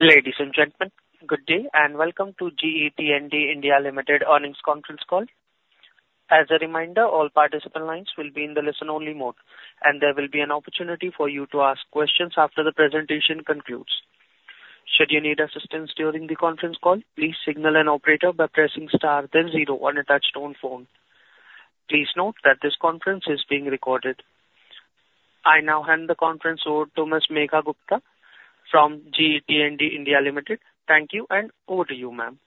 Ladies and gentlemen, good day and welcome to GE T&D India Limited earnings conference call. As a reminder, all participant lines will be in the listen-only mode, and there will be an opportunity for you to ask questions after the presentation concludes. Should you need assistance during the conference call, please signal an operator by pressing star then zero on a touch-tone phone. Please note that this conference is being recorded. I now hand the conference over to Ms. Megha Gupta from GE T&D India Limited. Thank you and over to you, ma'am.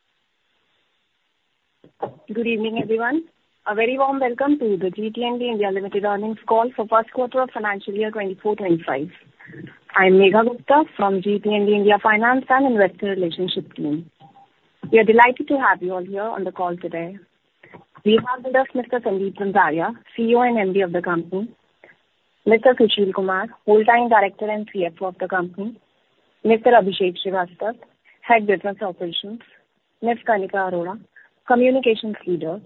Good evening, everyone. A very warm welcome to the GE T&D India Limited earnings call for the first quarter of financial year 2024/25. I'm Megha Gupta from GE T&D India Finance and Investor Relationship Team. We are delighted to have you all here on the call today. We have with us Mr. Sandeep Zanzaria, CEO and MD of the company, Mr. Sushil Kumar, full-time director and CFO of the company, Mr. Abhishek Srivastava, head business operations, Ms. Kanika Arora, communications leader,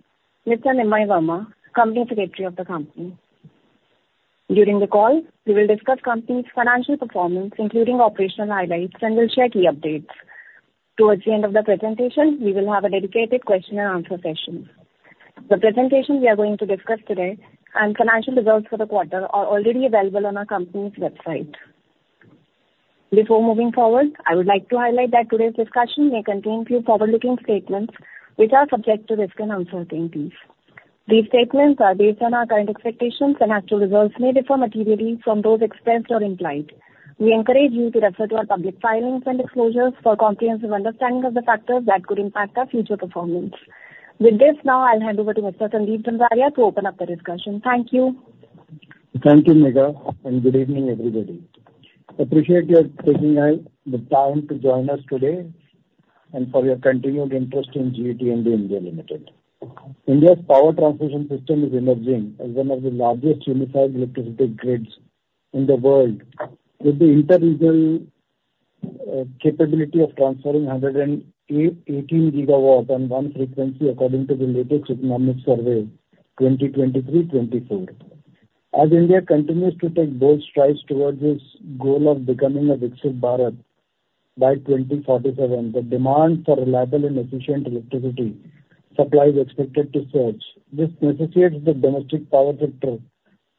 Mr. Nimay Verma, company secretary of the company. During the call, we will discuss the company's financial performance, including operational highlights, and we'll share key updates. Towards the end of the presentation, we will have a dedicated question-and-answer session. The presentation we are going to discuss today and financial results for the quarter are already available on our company's website. Before moving forward, I would like to highlight that today's discussion may contain a few forward-looking statements which are subject to risk and uncertainties. These statements are based on our current expectations and as to results may differ materially from those expressed or implied. We encourage you to refer to our public filings and disclosures for comprehensive understanding of the factors that could impact our future performance. With this, now I'll hand over to Mr. Sandeep Zanzaria to open up the discussion. Thank you. Thank you, Megha, and good evening, everybody. Appreciate your taking the time to join us today and for your continued interest in GE T&D India Limited. India's power transmission system is emerging as one of the largest unified electricity grids in the world, with the inter-regional capability of transferring 118 gigawatts on one frequency according to the latest economic survey, 2023-24. As India continues to take bold strides towards its goal of becoming a Viksit Bharat by 2047, the demand for reliable and efficient electricity supply is expected to surge. This necessitates the domestic power sector,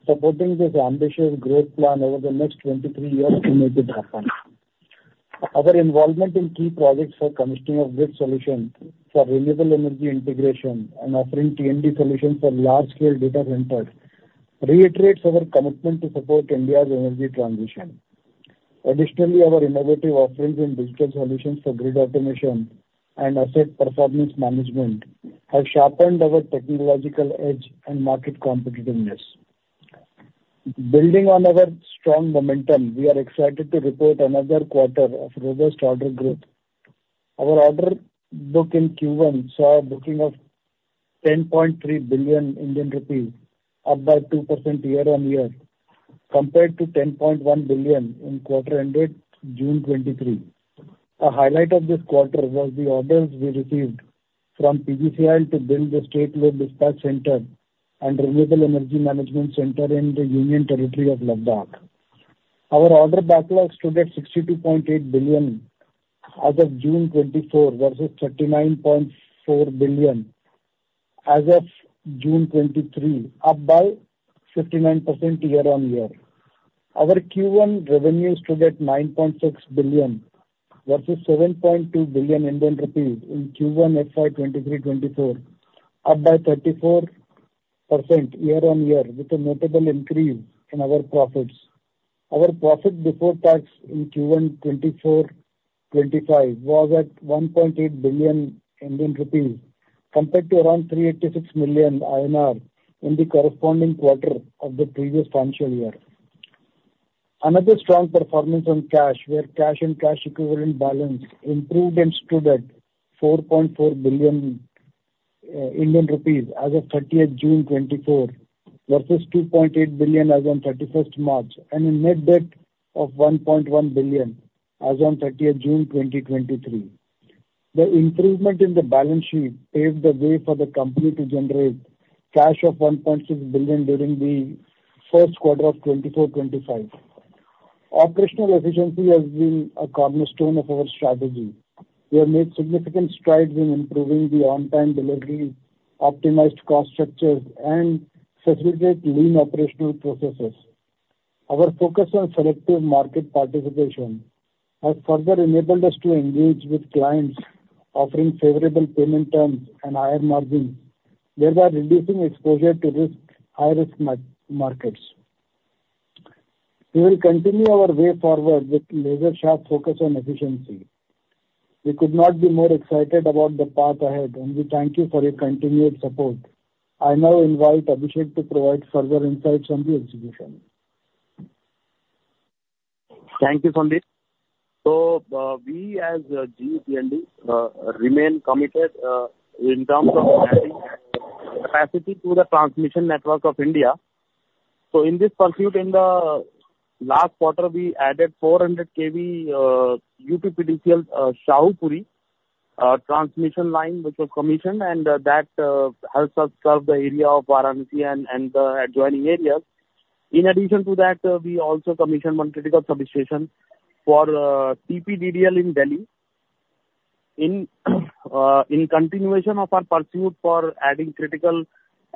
supporting this ambitious growth plan over the next 23 years to make it happen. Our involvement in key projects for commissioning of grid solutions for renewable energy integration and offering T&D solutions for large-scale data centers reiterates our commitment to support India's energy transition. Additionally, our innovative offerings in digital solutions for grid automation and asset performance management have sharpened our technological edge and market competitiveness. Building on our strong momentum, we are excited to report another quarter of robust order growth. Our order book in Q1 saw a booking of 10.3 billion Indian rupees, up by 2% year-on-year, compared to 10.1 billion in quarter ended June 2023. A highlight of this quarter was the orders we received from PGCIL to build the State Load Dispatch Center and Renewable Energy Management Center in the Union Territory of Ladakh. Our order backlog stood at 62.8 billion as of June 2024 versus 39.4 billion as of June 2023, up by 59% year-on-year. Our Q1 revenue stood at 9.6 billion versus 7.2 billion Indian rupees in Q1 FY 2023/24, up by 34% year-on-year, with a notable increase in our profits.L Our profit before tax in Q1 2024/25 was at 1.8 billion Indian rupees, compared to around 386 million INR in the corresponding quarter of the previous financial year. Another strong performance on cash, where cash and cash equivalent balance improved and stood at 4.4 billion Indian rupees as of 30th June 2024 versus 2.8 billion as on 31st March 2024, and a net debt of 1.1 billion as on 30th June 2023. The improvement in the balance sheet paved the way for the company to generate cash of 1.6 billion during the first quarter of 2024/25. Operational efficiency has been a cornerstone of our strategy. We have made significant strides in improving the on-time delivery, optimized cost structures, and facilitated lean operational processes. Our focus on selective market participation has further enabled us to engage with clients, offering favorable payment terms and higher margins, thereby reducing exposure to high-risk markets. We will continue our way forward with a laser-sharp focus on efficiency. We could not be more excited about the path ahead, and we thank you for your continued support. I now invite Abhishek to provide further insights on the execution. Thank you, Sandeep. So we as GE T&D remain committed in terms of adding capacity to the transmission network of India. So in this pursuit, in the last quarter, we added 400 kV UPPTCL Sahupuri transmission line, which was commissioned, and that helps us serve the area of Varanasi and the adjoining areas. In addition to that, we also commissioned one critical substation for TPDDL in Delhi. In continuation of our pursuit for adding critical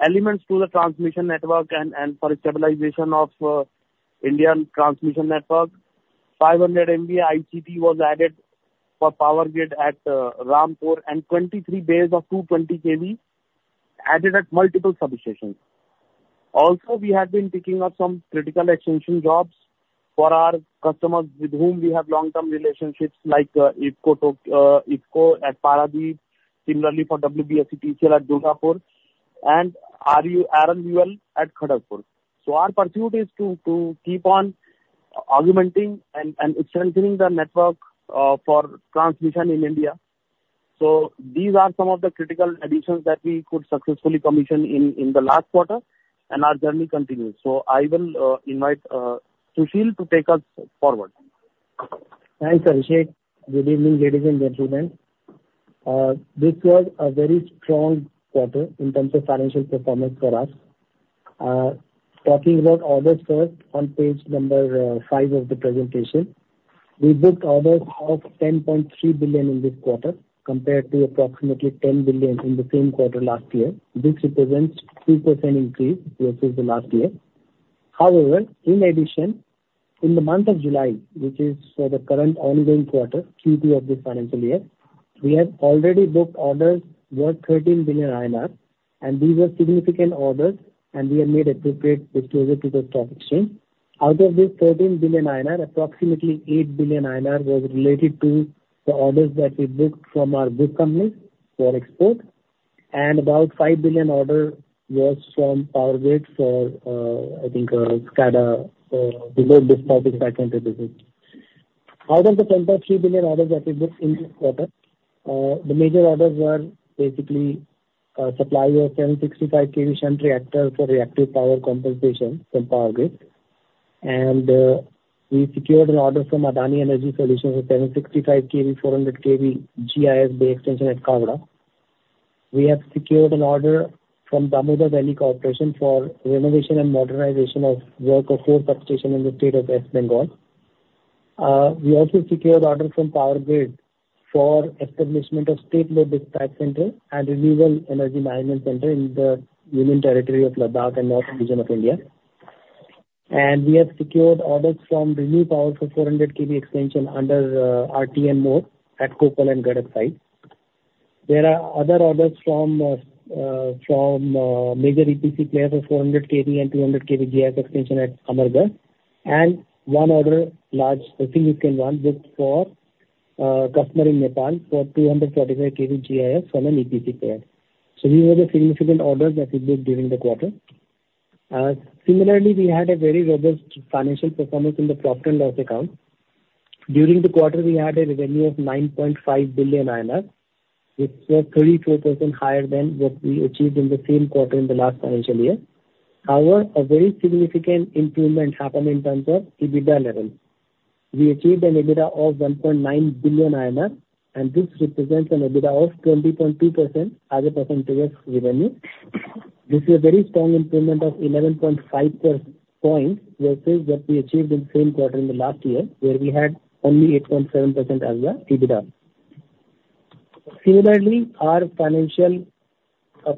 elements to the transmission network and for stabilization of the Indian transmission network, 500 MVA ICT was added for Power Grid at Rampur and 23 bays of 220 kV added at multiple substations. Also, we have been picking up some critical extension jobs for our customers with whom we have long-term relationships, like IFFCO at Paradip, similarly for WBSETCL at Durgapur, and RVNL at Kharagpur. Our pursuit is to keep on augmenting and strengthening the network for transmission in India. These are some of the critical additions that we could successfully commission in the last quarter, and our journey continues. I will invite Sushil to take us forward. Thanks, Abhishek. Good evening, ladies and gentlemen. This was a very strong quarter in terms of financial performance for us. Talking about orders first, on page number 5 of the presentation, we booked orders of 10.3 billion in this quarter compared to approximately 10 billion in the same quarter last year. This represents a 2% increase versus the last year. However, in addition, in the month of July, which is for the current ongoing quarter, Q2 of this financial year, we have already booked orders worth 13 billion INR, and these were significant orders, and we have made appropriate disclosure to the stock exchange. Out of this 13 billion INR, approximately 8 billion INR was related to the orders that we booked from our good companies for export, and about 5 billion orders were from Power Grid for, I think, SCADA for the global participation services. Out of the 10.3 billion orders that we booked in this quarter, the major orders were basically supply of 765 kV shunt reactors for reactive power compensation from Power Grid, and we secured an order from Adani Energy Solutions for 765 kV, 400 kV GIS bay extension at Khavda. We have secured an order from Damodar Valley Corporation for renovation and modernization of work of four substations in the state of West Bengal. We also secured orders from Power Grid for establishment of State Load Dispatch Centers and renewable energy management centers in the Union Territory of Ladakh and northern region of India. And we have secured orders from ReNew for 400 kV extension under RTM mode at Koppal and Gadag sites. There are other orders from major EPC players for 400 kV and 200 kV GIS extension at Amargarh, and one order, large significant one, booked for a customer in Nepal for 245 kV GIS from an EPC player. So these were the significant orders that we booked during the quarter. Similarly, we had a very robust financial performance in the profit and loss account. During the quarter, we had a revenue of 9.5 billion INR, which was 34% higher than what we achieved in the same quarter in the last financial year. However, a very significant improvement happened in terms of EBITDA level. We achieved an EBITDA of 1.9 billion INR, and this represents an EBITDA of 20.2% as a percentage of revenue. This is a very strong improvement of 11.5 points versus what we achieved in the same quarter in the last year, where we had only 8.7% as the EBITDA. Similarly, our financial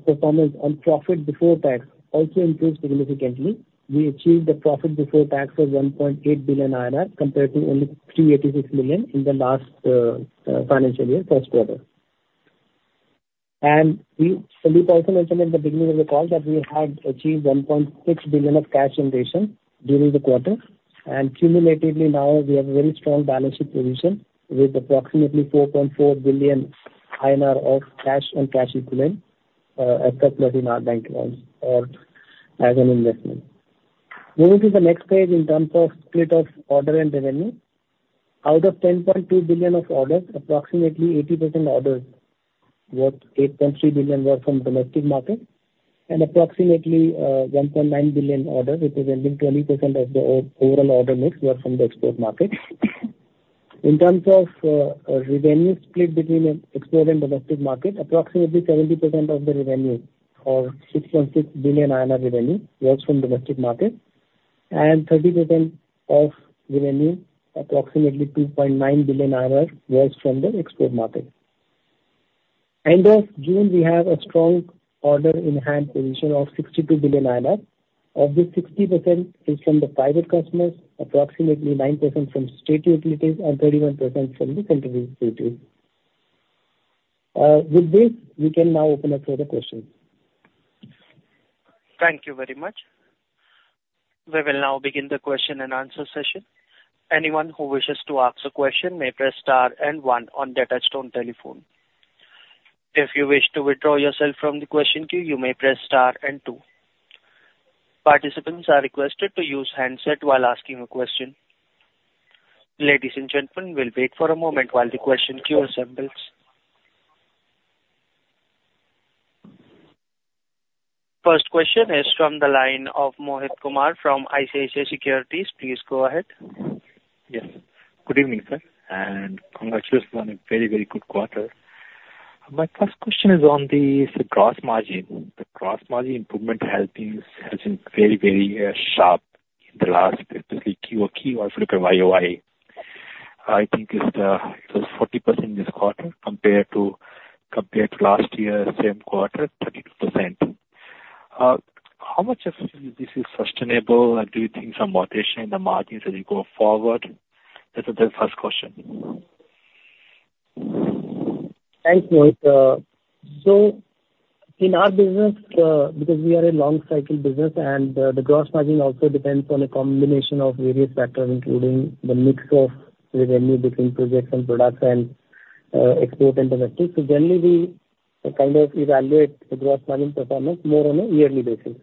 performance on profit before tax also improved significantly. We achieved a profit before tax of 1.8 billion compared to only 386 million in the last financial year, first quarter. Sandeep also mentioned at the beginning of the call that we had achieved 1.6 billion of cash in addition during the quarter, and cumulatively now we have a very strong balance sheet position with approximately 4.4 billion INR of cash and cash equivalents in our bank accounts as an investment. Moving to the next page in terms of split of order and revenue, out of 10.2 billion of orders, approximately 80% orders worth 8.3 billion were from domestic market, and approximately 1.9 billion orders representing 20% of the overall order mix were from the export market. In terms of revenue split between export and domestic market, approximately 70% of the revenue, or 6.6 billion revenue, was from domestic market, and 30% of revenue, approximately 2.9 billion, was from the export market. End of June, we have a strong order in hand position of 62 billion. Of this, 60% is from the private customers, approximately 9% from state utilities, and 31% from the central utilities. With this, we can now open up to the questions. Thank you very much. We will now begin the question and answer session. Anyone who wishes to ask a question may press star and one on their touchtone telephone. If you wish to withdraw yourself from the question queue, you may press star and two. Participants are requested to use handset while asking a question. Ladies and gentlemen, we'll wait for a moment while the question queue assembles. First question is from the line of Mohit Kumar from ICICI Securities. Please go ahead. Yes. Good evening, sir, and congratulations on a very, very good quarter. My first question is on the gross margin. The gross margin improvement has been very, very sharp in the last, especially Q1, Q2, and YoY. I think it was 40% this quarter compared to last year's same quarter, 32%. How much of this is sustainable, and do you think some rotation in the margins as we go forward? That was the first question. Thanks, Mohit. So in our business, because we are a long-cycle business, and the gross margin also depends on a combination of various factors, including the mix of revenue between projects and products and export and domestic. So generally, we kind of evaluate the gross margin performance more on a yearly basis.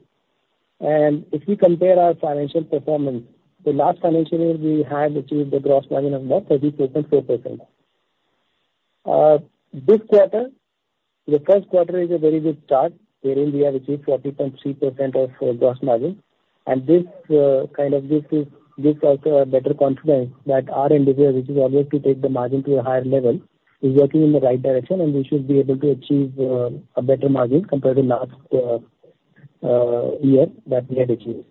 And if we compare our financial performance, the last financial year we have achieved a gross margin of about 32.4%. This quarter, the first quarter is a very good start, wherein we have achieved 40.3% of gross margin. And this kind of gives us a better confidence that our end user, which is always to take the margin to a higher level, is working in the right direction, and we should be able to achieve a better margin compared to last year that we had achieved.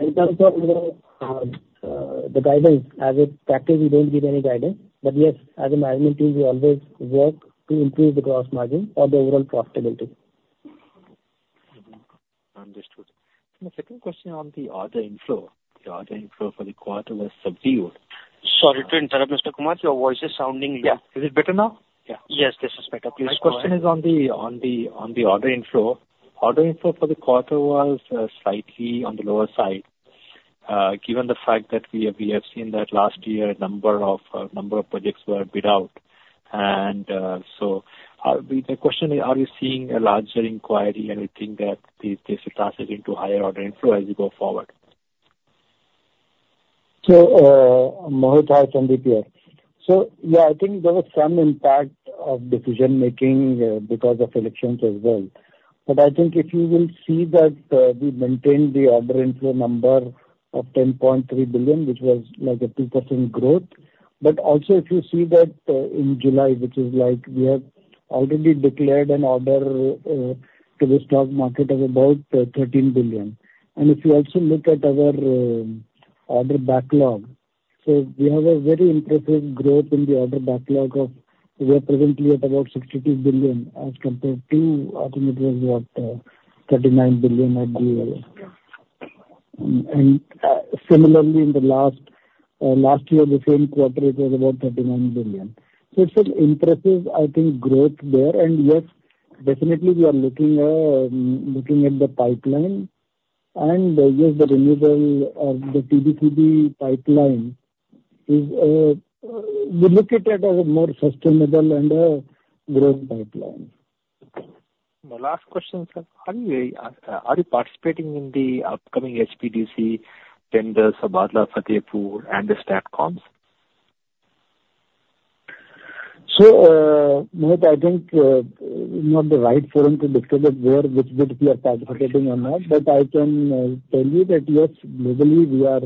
In terms of the guidance, as a tactic, we don't give any guidance, but yes, as a management team, we always work to improve the gross margin or the overall profitability. Understood. The second question on the order inflow. The order inflow for the quarter was subdued. Sorry to interrupt, Mr. Kumar, your voice is sounding low. Yeah. Is it better now? Yeah. Yes, this is better. Please go ahead. My question is on the order inflow. Order inflow for the quarter was slightly on the lower side, given the fact that we have seen that last year a number of projects were bid out. And so the question is, are you seeing a larger inquiry and you think that this will translate into higher order inflow as we go forward? So Mohit I'll jump in here. So yeah, I think there was some impact of decision-making because of elections as well. But I think if you will see that we maintained the order inflow number of 10.3 billion, which was like a 2% growth. But also if you see that in July, which is like we have already declared an order to the stock market of about 13 billion. And if you also look at our order backlog, so we have a very impressive growth in the order backlog of we are presently at about 62 billion as compared to, I think it was about 39 billion at the year. And similarly, in the last year, the same quarter, it was about 39 billion. So it's an impressive, I think, growth there. And yes, definitely we are looking at the pipeline. Yes, the renewable or the TBCB pipeline is a we look at it as a more sustainable and a growth pipeline. Okay. My last question, sir. Are you participating in the upcoming HVDC tenders for Bhadla, Fatehpur, and the STATCOMs? So Mohit, I think not the right forum to discuss it there, which would be us advocating or not, but I can tell you that yes, globally we are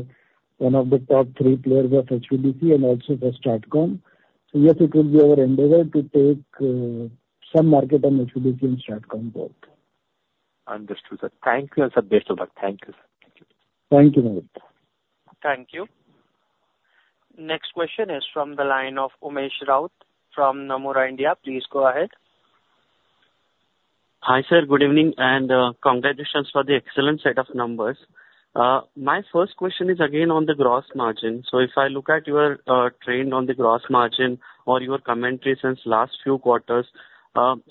one of the top three players of HVDC and also for STATCOM. So yes, it will be our endeavor to take some market on HVDC and STATCOM both. Understood, sir. Thank you, and Sandeep Zanzaria. Thank you, sir. Thank you, Mohit. Thank you. Next question is from the line of Umesh Raut from Nomura India. Please go ahead. Hi sir, good evening, and congratulations for the excellent set of numbers. My first question is again on the gross margin. So if I look at your trend on the gross margin or your commentary since last few quarters,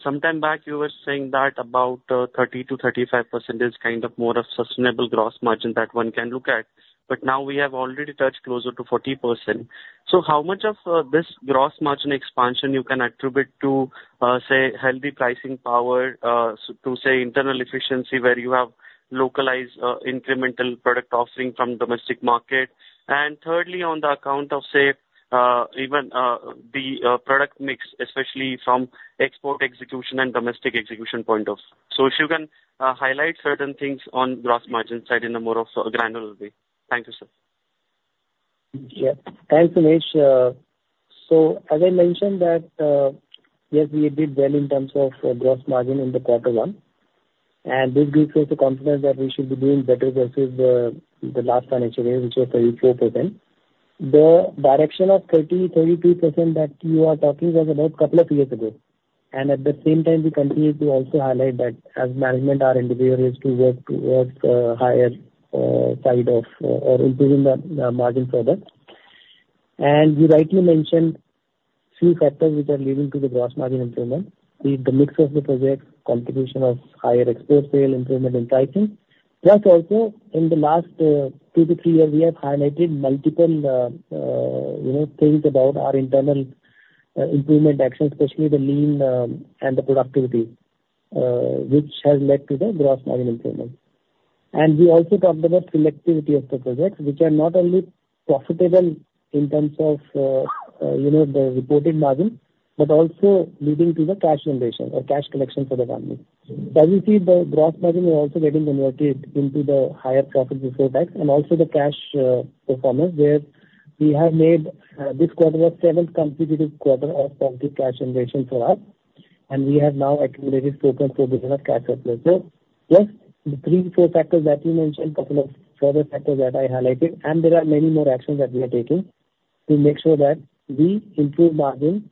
sometime back you were saying that about 30%-35% is kind of more of sustainable gross margin that one can look at. But now we have already touched closer to 40%. So how much of this gross margin expansion you can attribute to, say, healthy pricing power, to say, internal efficiency where you have localized incremental product offering from domestic market? And thirdly, on the account of, say, even the product mix, especially from export execution and domestic execution point of view. So if you can highlight certain things on the gross margin side in a more granular way. Thank you, sir. Yes. Thanks, Umesh. So as I mentioned that, yes, we did well in terms of gross margin in the quarter one. And this gives us the confidence that we should be doing better versus the last financial year, which was 34%. The direction of 30%-32% that you are talking was about a couple of years ago. And at the same time, we continue to also highlight that as management, our end user is to work towards the higher side of or improving the margin further. And you rightly mentioned a few factors which are leading to the gross margin improvement. The mix of the projects, contribution of higher export sale, improvement in pricing, plus also in the last two to three years, we have highlighted multiple things about our internal improvement actions, especially the lean and the productivity, which has led to the gross margin improvement. And we also talked about selectivity of the projects, which are not only profitable in terms of the reported margin, but also leading to the cash generation or cash collection for the company. So as you see, the gross margin is also getting converted into the higher profit before tax and also the cash generation, which we made this quarter was the seventh consecutive quarter of positive cash generation for us. And we have now accumulated 4.4 billion of cash generation. Yes, the three to four factors that you mentioned, a couple of further factors that I highlighted, and there are many more actions that we are taking to make sure that we improve margin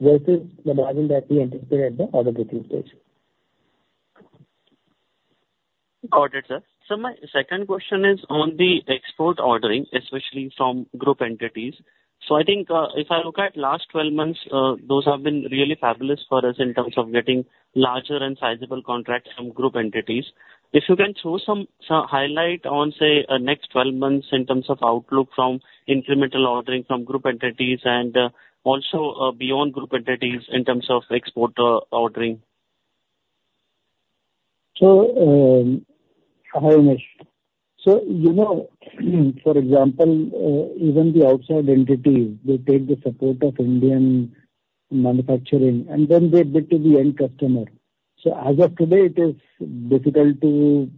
versus the margin that we anticipate at the order booking stage. Got it, sir. So my second question is on the export ordering, especially from group entities. So I think if I look at last 12 months, those have been really fabulous for us in terms of getting larger and sizable contracts from group entities. If you can throw some highlight on, say, next 12 months in terms of outlook from incremental ordering from group entities and also beyond group entities in terms of export ordering? So hi Umesh. So for example, even the outside entities, they take the support of Indian manufacturing, and then they bid to the end customer. So as of today, it is difficult to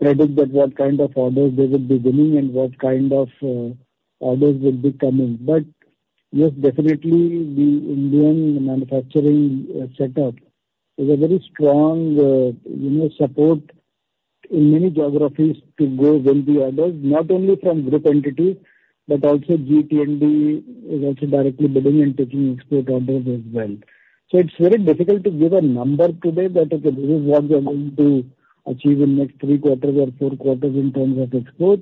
predict that what kind of orders they will be winning and what kind of orders will be coming. But yes, definitely, the Indian manufacturing setup is a very strong support in many geographies to go win the orders, not only from group entities, but also GT&D is also directly bidding and taking export orders as well. So it's very difficult to give a number today that, okay, this is what we are going to achieve in the next three quarters or four quarters in terms of export.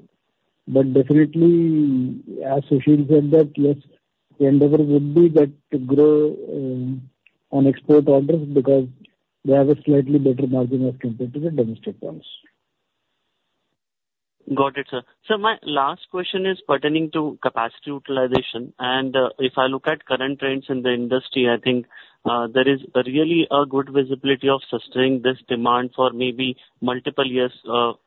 But definitely, as Sushil said, that yes, the endeavor would be that to grow on export orders because they have a slightly better margin of compared to the domestic ones. Got it, sir. So my last question is pertaining to capacity utilization. If I look at current trends in the industry, I think there is really a good visibility of sustaining this demand for maybe multiple years,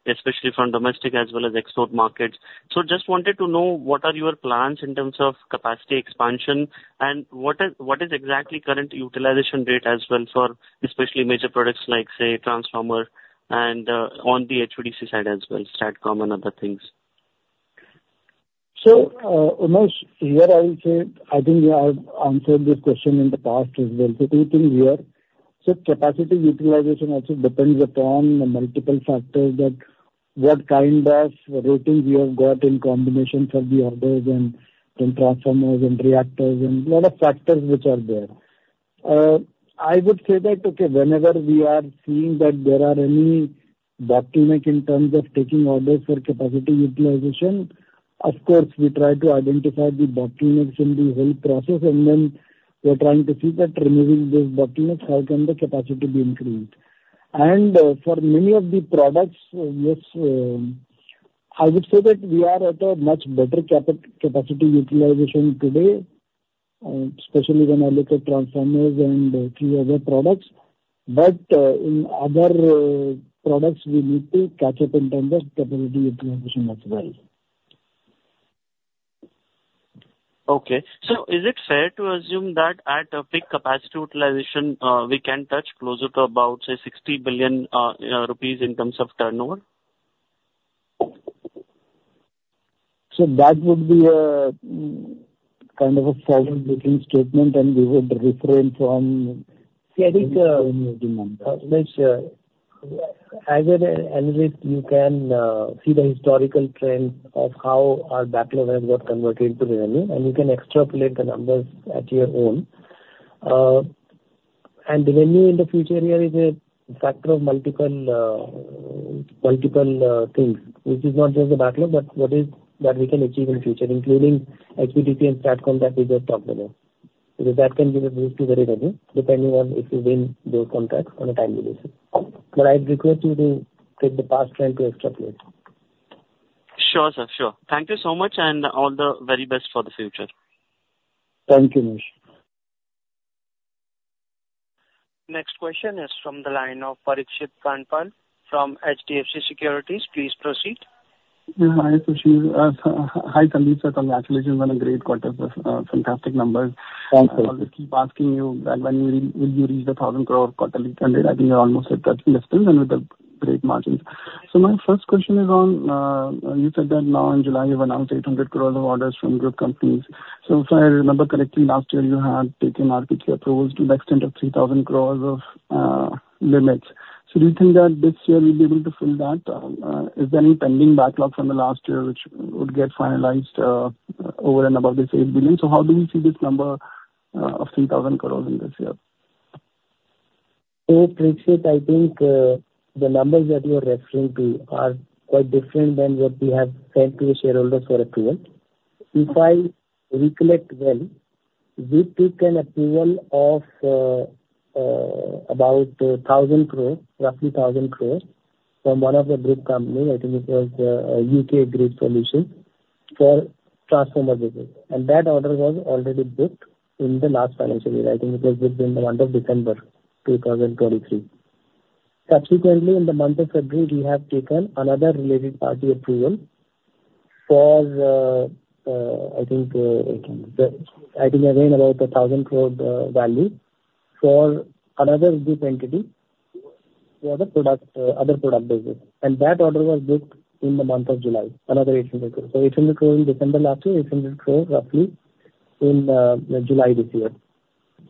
especially from domestic as well as export markets. So just wanted to know what are your plans in terms of capacity expansion and what is exactly current utilization rate as well for especially major products like, say, transformer and on the HVDC side as well, STATCOM and other things. So Umesh, here I will say, I think you have answered this question in the past as well. So two things here. So capacity utilization also depends upon multiple factors, that what kind of rating we have got in combination for the orders and transformer and reactors and a lot of factors which are there. I would say that, okay, whenever we are seeing that there are any bottlenecks in terms of taking orders for capacity utilization, of course, we try to identify the bottlenecks in the whole process, and then we're trying to see that removing those bottlenecks, how can the capacity be increased. And for many of the products, yes, I would say that we are at a much better capacity utilization today, especially when I look at transformers and a few other products. But in other products, we need to catch up in terms of capacity utilization as well. Okay. So is it fair to assume that at a peak capacity utilization, we can touch closer to about, say, 60 billion rupees in terms of turnover? That would be a kind of a forward-looking statement, and we would refrain from. See anything. Yes, sure. As an analyst, you can see the historical trend of how our backlog has got converted into revenue, and you can extrapolate the numbers at your own. And revenue in the future here is a factor of multiple things, which is not just the backlog, but what is that we can achieve in the future, including HVDC and STATCOM that we just talked about. Because that can give a boost to the revenue depending on if we win those contracts on a time basis. But I'd request you to take the past trend to extrapolate. Sure, sir. Sure. Thank you so much, and all the very best for the future. Thank you, Umesh. Next question is from the line of Parikshit Kandpal from HDFC Securities. Please proceed. Hi, Sushil. Hi, Sandeep. Congratulations on a great quarter with fantastic numbers. Thank you. I'll just keep asking you that when you reach the 1,000 crore quarterly target, I think you're almost at that milestone and with the great margins. So my first question is on, you said that now in July you've announced 800 crore of orders from group companies. So if I remember correctly, last year you had taken RPT approvals to the extent of 3,000 crore of limits. So do you think that this year you'll be able to fill that? Is there any pending backlog from the last year which would get finalized over and above the $1 billion? So how do we see this number of 3,000 crore in this year? So Parikshit, I think the numbers that you're referring to are quite different than what we have sent to the shareholders for approval. If I recollect well, we took an approval of about 1,000 crore, roughly 1,000 crore from one of the group companies. I think it was UK Grid Solutions for transformer business. And that order was already booked in the last financial year. I think it was booked in the month of December 2023. Subsequently, in the month of February, we have taken another related party approval for, I think, again, about the 1,000 crore value for another group entity for the other product business. And that order was booked in the month of July, another 800 crore. So 800 crore in December last year, 800 crore roughly in July this year.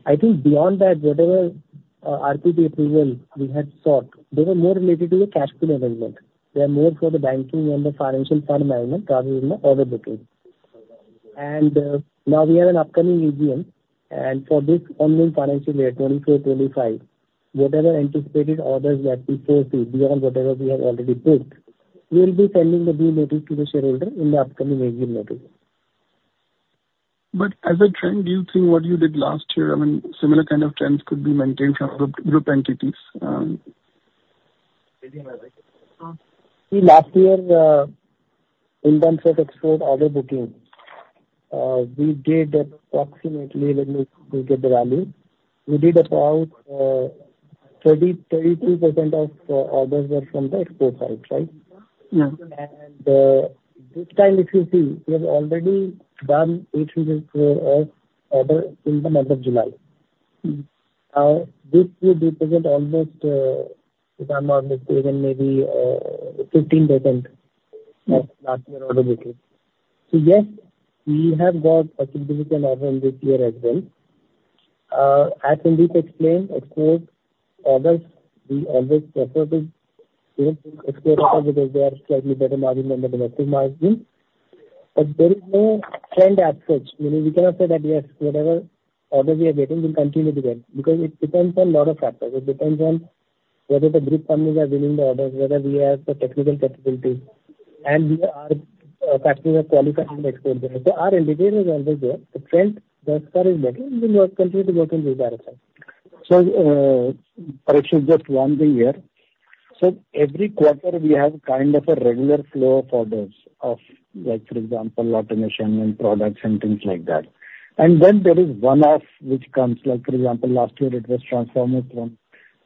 I think beyond that, whatever RPT approval we had sought, they were more related to the cash flow management. They are more for the banking and the financial fund management rather than the order booking. And now we have an upcoming AGM, and for this ongoing financial year, 2024, 2025, whatever anticipated orders that we foresee beyond whatever we have already booked, we will be sending a new notice to the shareholder in the upcoming AGM notice. As a trend, do you think what you did last year, I mean, similar kind of trends could be maintained from group entities? See, last year in terms of export order booking, we did approximately, let me look at the value. We did about 32% of orders were from the export side, right? Yeah. And this time, if you see, we have already done 800 crore of orders in the month of July. Now, this would represent almost, if I'm not mistaken, maybe 15% of last year's order booking. So yes, we have got a significant order in this year as well. As Sandeep explained, export orders, we always prefer to export orders because they are slightly better margin than the domestic margin. But there is no trend absence. Meaning, we cannot say that, yes, whatever orders we are getting, we'll continue to get. Because it depends on a lot of factors. It depends on whether the group companies are winning the orders, whether we have the technical capabilities, and we are factors of qualifying the export. So our indicator is always there. The trend thus far is better, and we will continue to work in this direction. So Parikshit, just one thing here. So every quarter, we have kind of a regular flow of orders of, for example, automation and products and things like that. And then there is one-off which comes, like for example, last year it was transformer from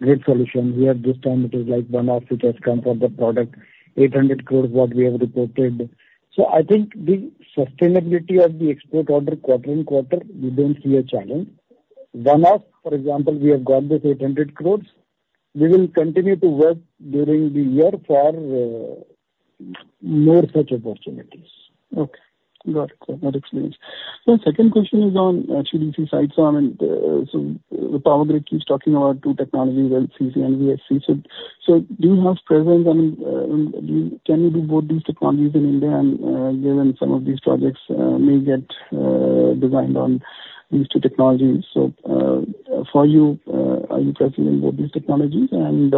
Grid Solutions. This time, it is like one-off which has come for the product, 800 crore what we have reported. So I think the sustainability of the export order quarter on quarter, we don't see a challenge. One-off, for example, we have got this 800 crore. We will continue to work during the year for more such opportunities. Okay. Got it. So that explains. So the second question is on HVDC side. So the Power Grid keeps talking about two technologies, LCC and VSC. So do you have preference? I mean, can you do both these technologies in India and given some of these projects may get designed on these two technologies? So for you, are you preferring both these technologies? And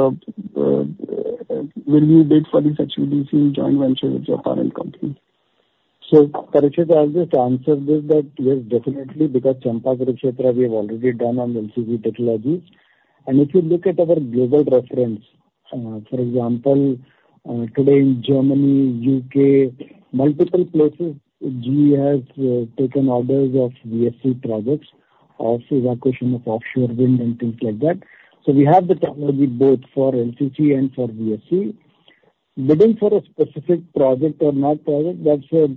will you bid for these HVDC joint ventures with your parent company? So Parikshit, I'll just answer this that yes, definitely, because Champa-Kurukshetra, we have already done on LCC technologies. And if you look at our global reference, for example, today in Germany, UK, multiple places, GE has taken orders of VSC projects of evacuation of offshore wind and things like that. So we have the technology both for LCC and for VSC. Bidding for a specific project or not project, that's a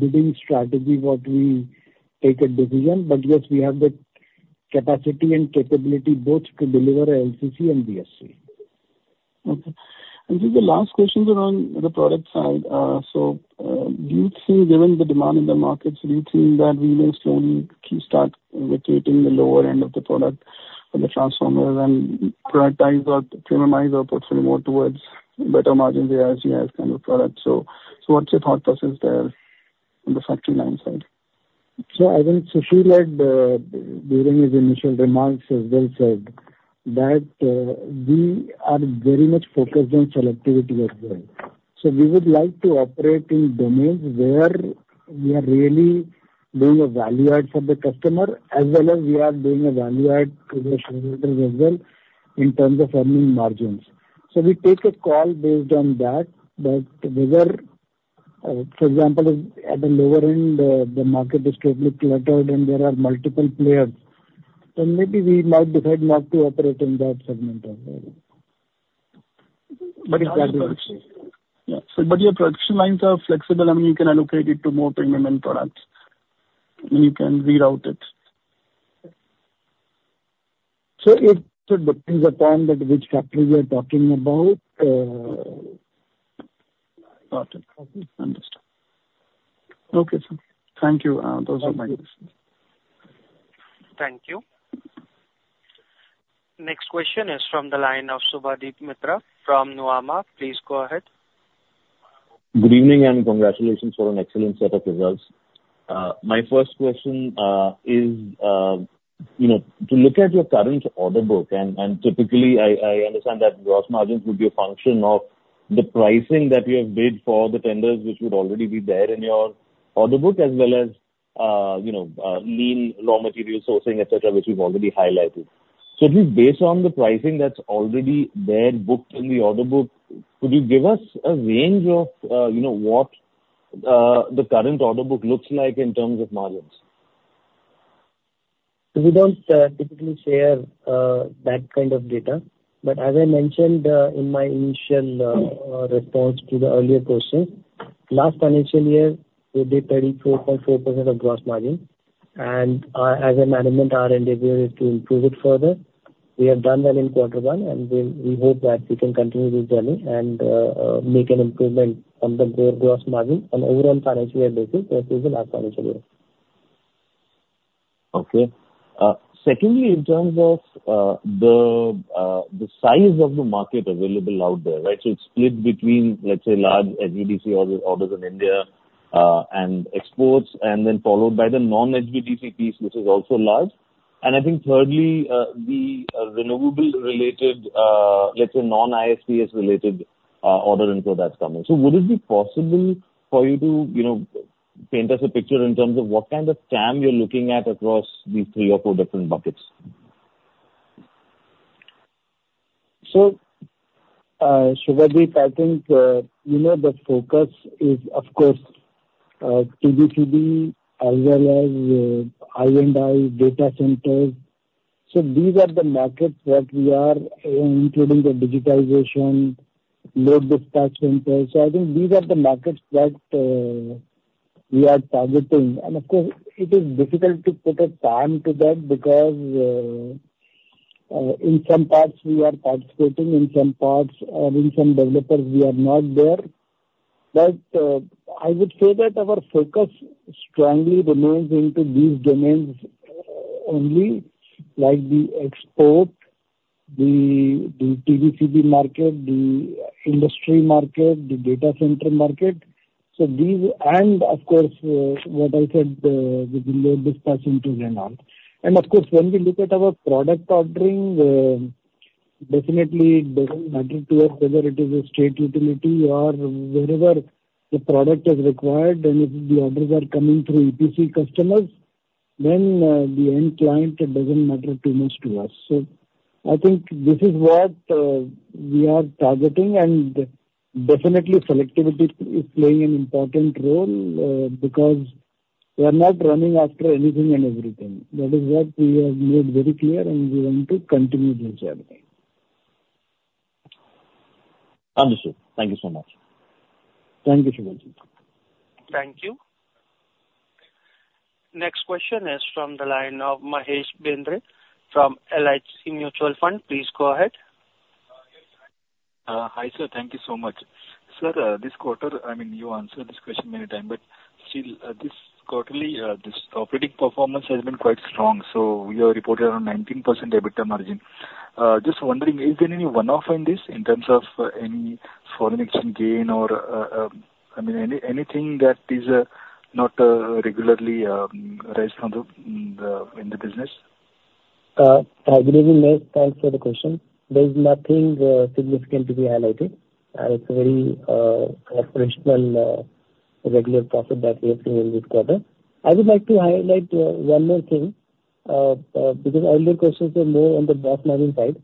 bidding strategy what we take a decision. But yes, we have the capacity and capability both to deliver LCC and VSC. Okay. And so the last question is around the product side. So do you think, given the demand in the markets, do you think that we may slowly start rotating the lower end of the product for the transformer and prioritize or minimize or push more towards better margins AIS kind of products? So what's your thought process there on the factory line side? So I think Sushil had during his initial remarks as well said that we are very much focused on selectivity as well. So we would like to operate in domains where we are really doing a value add for the customer, as well as we are doing a value add to the shareholders as well in terms of earning margins. So we take a call based on that. But whether, for example, at the lower end, the market is totally cluttered and there are multiple players, then maybe we might decide not to operate in that segment as well. But your production lines are flexible. I mean, you can allocate it to more premium end products. I mean, you can reroute it. It depends upon which factory we are talking about. Got it. Okay. Thank you. Those are my questions. Thank you. Next question is from the line of Subhadip Mitra from Nuvama. Please go ahead. Good evening and congratulations for an excellent set of results. My first question is to look at your current order book. Typically, I understand that gross margins would be a function of the pricing that you have bid for the tenders, which would already be there in your order book, as well as lean raw material sourcing, etc., which we've already highlighted. Just based on the pricing that's already there booked in the order book, could you give us a range of what the current order book looks like in terms of margins? We don't typically share that kind of data. But as I mentioned in my initial response to the earlier question, last financial year, we did 34.4% of gross margin. And as a management, our endeavor is to improve it further. We have done well in quarter one, and we hope that we can continue this journey and make an improvement on the gross margin on an overall financial year basis, as is the last financial year. Okay. Secondly, in terms of the size of the market available out there, right? So it's split between, let's say, large HVDC orders in India and exports, and then followed by the non-HVDC piece, which is also large. And I think thirdly, the renewable-related, let's say, non-GIS-related order input that's coming. So would it be possible for you to paint us a picture in terms of what kind of TAM you're looking at across these three or four different buckets? So Subhadip, I think the focus is, of course, TBCB as well as R&D data centers. So these are the markets that we are, including the digitization, load dispatch centers. So I think these are the markets that we are targeting. And of course, it is difficult to put a TAM to them because in some parts we are participating, in some parts or in some developers, we are not there. But I would say that our focus strongly remains into these domains only, like the export, the TBCB market, the industry market, the data center market. So these and, of course, what I said, the load dispatch centers and all. Of course, when we look at our product ordering, definitely it doesn't matter to us whether it is a state utility or wherever the product is required, and if the orders are coming through EPC customers, then the end client doesn't matter too much to us. I think this is what we are targeting. Definitely, selectivity is playing an important role because we are not running after anything and everything. That is what we have made very clear, and we want to continue this journey. Understood. Thank you so much. Thank you, Sushil. Thank you. Next question is from the line of Mahesh Bendre from LIC Mutual Fund. Please go ahead. Hi, sir. Thank you so much. Sir, this quarter, I mean, you answered this question many times, but still, this quarterly, this operating performance has been quite strong. So we are reported on 19% EBITDA margin. Just wondering, is there any one-off in this in terms of any foreign exchange gain or, I mean, anything that is not regularly raised in the business? Good evening, Mahesh. Thanks for the question. There's nothing significant to be highlighted. It's a very operational regular profit that we have seen in this quarter. I would like to highlight one more thing because earlier questions were more on the gross margin side.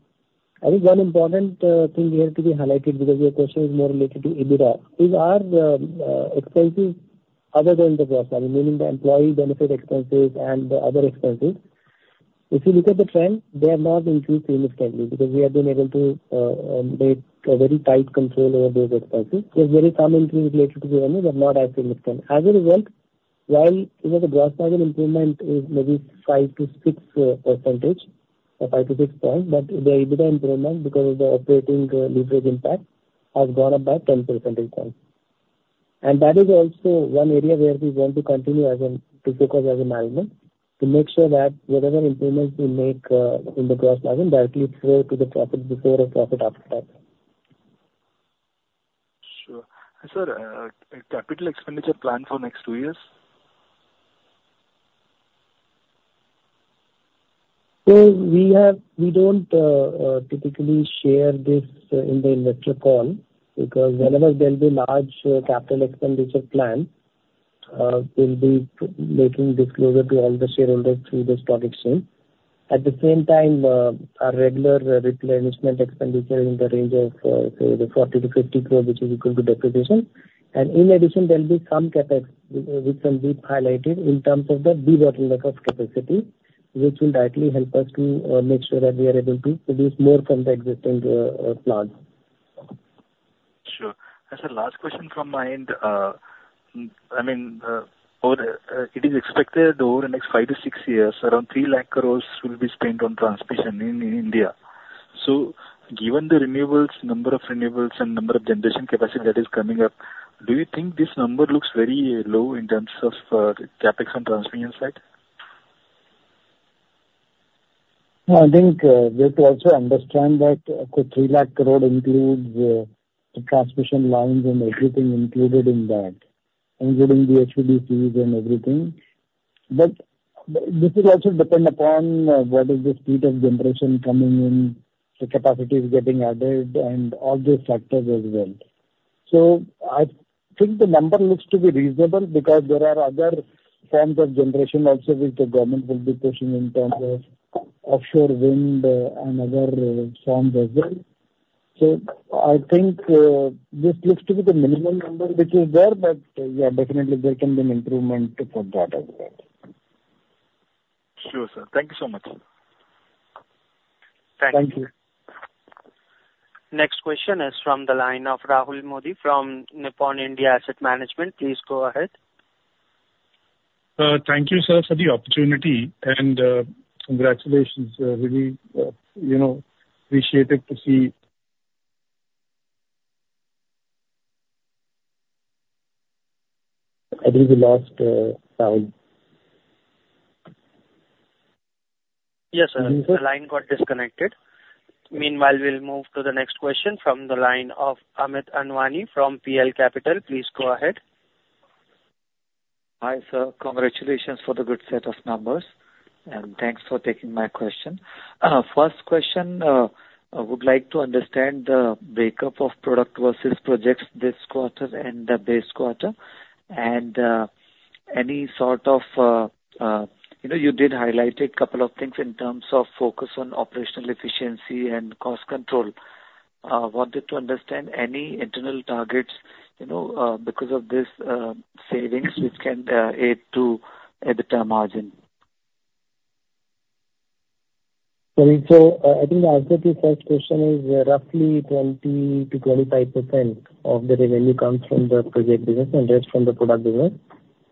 I think one important thing here to be highlighted because your question is more related to EBITDA is our expenses other than the gross margin, meaning the employee benefit expenses and the other expenses. If you look at the trend, they have not increased significantly because we have been able to make a very tight control over those expenses. There's very some increase related to the revenue, but not as significant. As a result, while the gross margin improvement is maybe 5-6 percentage, 5-6 points, but the EBITDA improvement because of the operating leverage impact has gone up by 10 percentage points. That is also one area where we want to continue to focus as a management to make sure that whatever improvements we make in the gross margin directly flow to the profit before or profit after tax. Sure. Sir, capital expenditure plan for next two years? We don't typically share this in the investor call because whenever there'll be large capital expenditure plan, we'll be making disclosure to all the shareholders through the stock exchange. At the same time, our regular replenishment expenditure in the range of, say, 40-50 crore, which is equal to depreciation. In addition, there'll be some CapEx with some key highlights in terms of the debottlenecking of capacity, which will directly help us to make sure that we are able to produce more from the existing plant. Sure. As a last question from my end, I mean, it is expected over the next 5 to 6 years, around 300,000 crore will be spent on transmission in India. So given the renewables, number of renewables and number of generation capacity that is coming up, do you think this number looks very low in terms of CapEx on transmission side? I think we have to also understand that 300,000 crore includes the transmission lines and everything included in that, including the HVDCs and everything. But this will also depend upon what is the speed of generation coming in, the capacity is getting added, and all these factors as well. So I think the number looks to be reasonable because there are other forms of generation also which the government will be pushing in terms of offshore wind and other forms as well. So I think this looks to be the minimal number which is there, but yeah, definitely there can be an improvement from that as well. Sure, sir. Thank you so much. Thank you. Thank you. Next question is from the line of Rahul Modi from Nippon India Asset Management. Please go ahead. Thank you, sir, for the opportunity. Congratulations. Really appreciate it to see. I believe we lost Rahul. Yes, sir. The line got disconnected. Meanwhile, we'll move to the next question from the line of Amit Anwani from PL Capital. Please go ahead. Hi, sir. Congratulations for the good set of numbers. And thanks for taking my question. First question, I would like to understand the break-up of product versus projects this quarter and the base quarter. And any sort of you did highlight a couple of things in terms of focus on operational efficiency and cost control. I wanted to understand any internal targets because of these savings which can add to EBITDA margin. I think the answer to the first question is roughly 20%-25% of the revenue comes from the project business and just from the product business.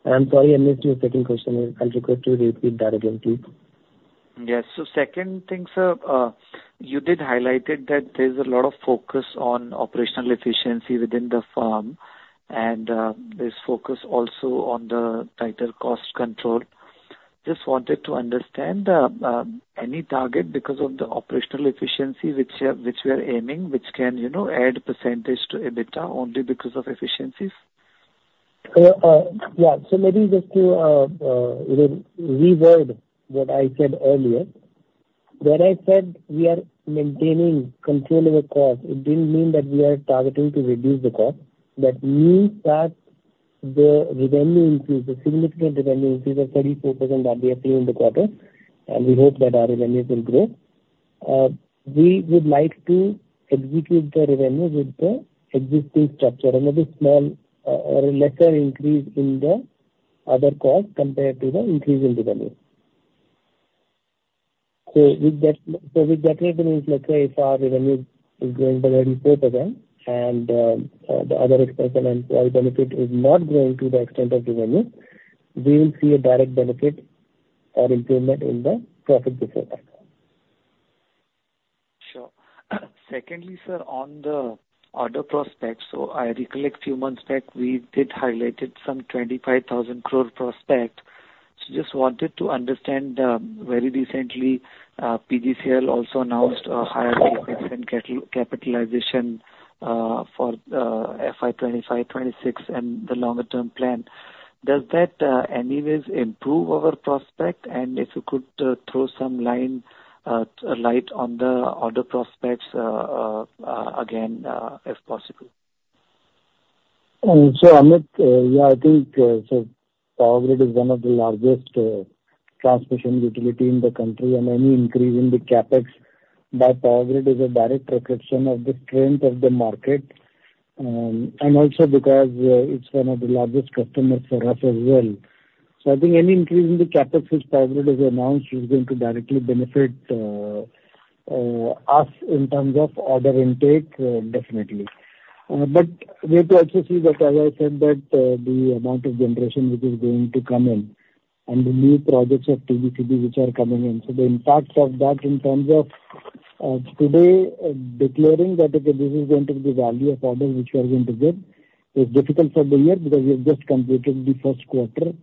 I'm sorry, I missed your second question. I'll request you to repeat that again, please. Yes. So second thing, sir, you did highlight that there's a lot of focus on operational efficiency within the firm, and there's focus also on the tighter cost control. Just wanted to understand any target because of the operational efficiency which we are aiming, which can add percentage to EBITDA only because of efficiencies? Yeah. So maybe just to reword what I said earlier. When I said we are maintaining control over cost, it didn't mean that we are targeting to reduce the cost, but means that the revenue increase, the significant revenue increase of 34% that we are seeing in the quarter, and we hope that our revenues will grow. We would like to execute the revenue with the existing structure and a small or lesser increase in the other cost compared to the increase in revenue. So with that revenue, let's say if our revenue is going by the report again and the other expense and employee benefit is not going to the extent of revenue, we will see a direct benefit or improvement in the profit before that. Sure. Secondly, sir, on the order prospects, so I recollect a few months back, we did highlight some 25,000 crore prospect. So just wanted to understand very recently, PGCIL also announced a higher CapEx and capitalization for FY 2025, 2026 and the longer-term plan. Does that anyways improve our prospect? And if you could throw some light on the order prospects again, if possible. Sure. I think Power Grid is one of the largest transmission utilities in the country, and any increase in the CapEx by Power Grid is a direct reflection of the strength of the market. And also because it's one of the largest customers for us as well. So I think any increase in the CapEx which Power Grid has announced is going to directly benefit us in terms of order intake, definitely. But we have to also see that, as I said, that the amount of generation which is going to come in and the new projects of TBCB which are coming in. So the impacts of that in terms of today declaring that this is going to be the value of orders which we are going to get is difficult for the year because we have just completed the first quarter.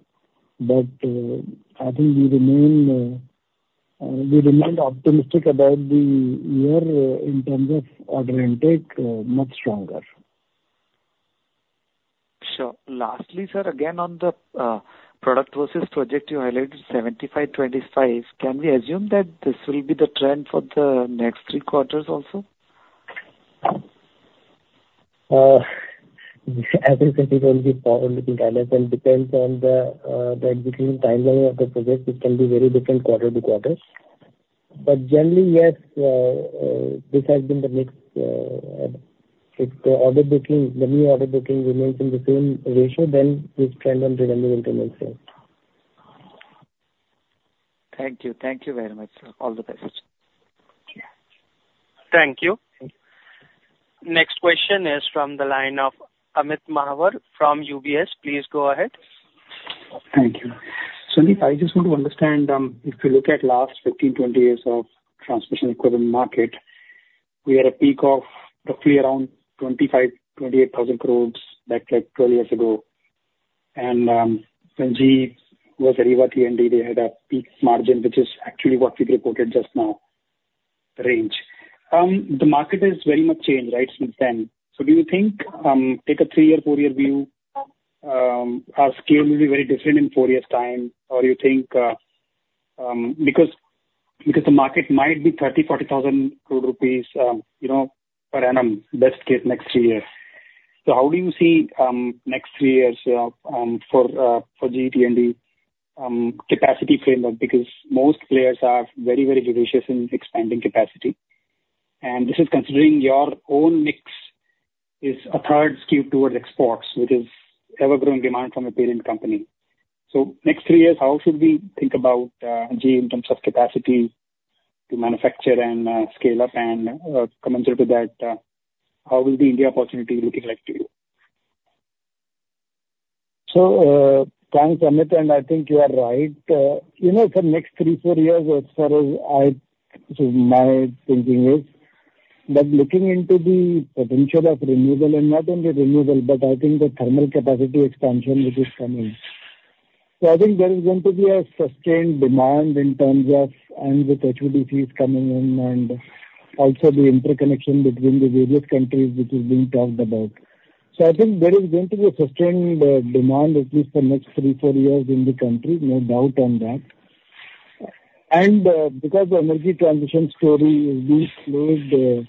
I think we remain optimistic about the year in terms of order intake, much stronger. Sure. Lastly, sir, again on the product versus project you highlighted, 75, 25, can we assume that this will be the trend for the next three quarters also? As I said, it will be P&L analysis. It depends on the execution timeline of the project. It can be very different quarter to quarter. But generally, yes, this has been the mix. If the new order booking remains in the same ratio, then this trend on revenue will remain the same. Thank you. Thank you very much, sir. All the best. Thank you. Next question is from the line of Amit Mahawar from UBS. Please go ahead. Thank you. So Amit, I just want to understand if you look at the last 15-20 years of transmission equipment market, we had a peak of roughly around 25,000-28,000 crore back 12 years ago. And when GE was a pure T&D, they had a peak margin, which is actually what we've reported just now, the range. The market has very much changed, right, since then. So do you think, take a three-year, four-year view, our scale will be very different in four years' time, or do you think because the market might be 30,000-40,000 crore rupees per annum, best case next three years. So how do you see next three years for GE T&D capacity framework? Because most players are very, very judicious in expanding capacity. This is considering your own mix is a third skewed towards exports, which is ever-growing demand from a parent company. Next three years, how should we think about GE in terms of capacity to manufacture and scale up? Commensurate with that, how will the India opportunity look like to you? So thanks, Amit. And I think you are right. For the next 3-4 years, as far as my thinking is, but looking into the potential of renewable and not only renewable, but I think the thermal capacity expansion which is coming. So I think there is going to be a sustained demand in terms of and with HVDCs coming in and also the interconnection between the various countries which is being talked about. So I think there is going to be a sustained demand at least for the next 3-4 years in the country, no doubt on that. And because the energy transition story is being played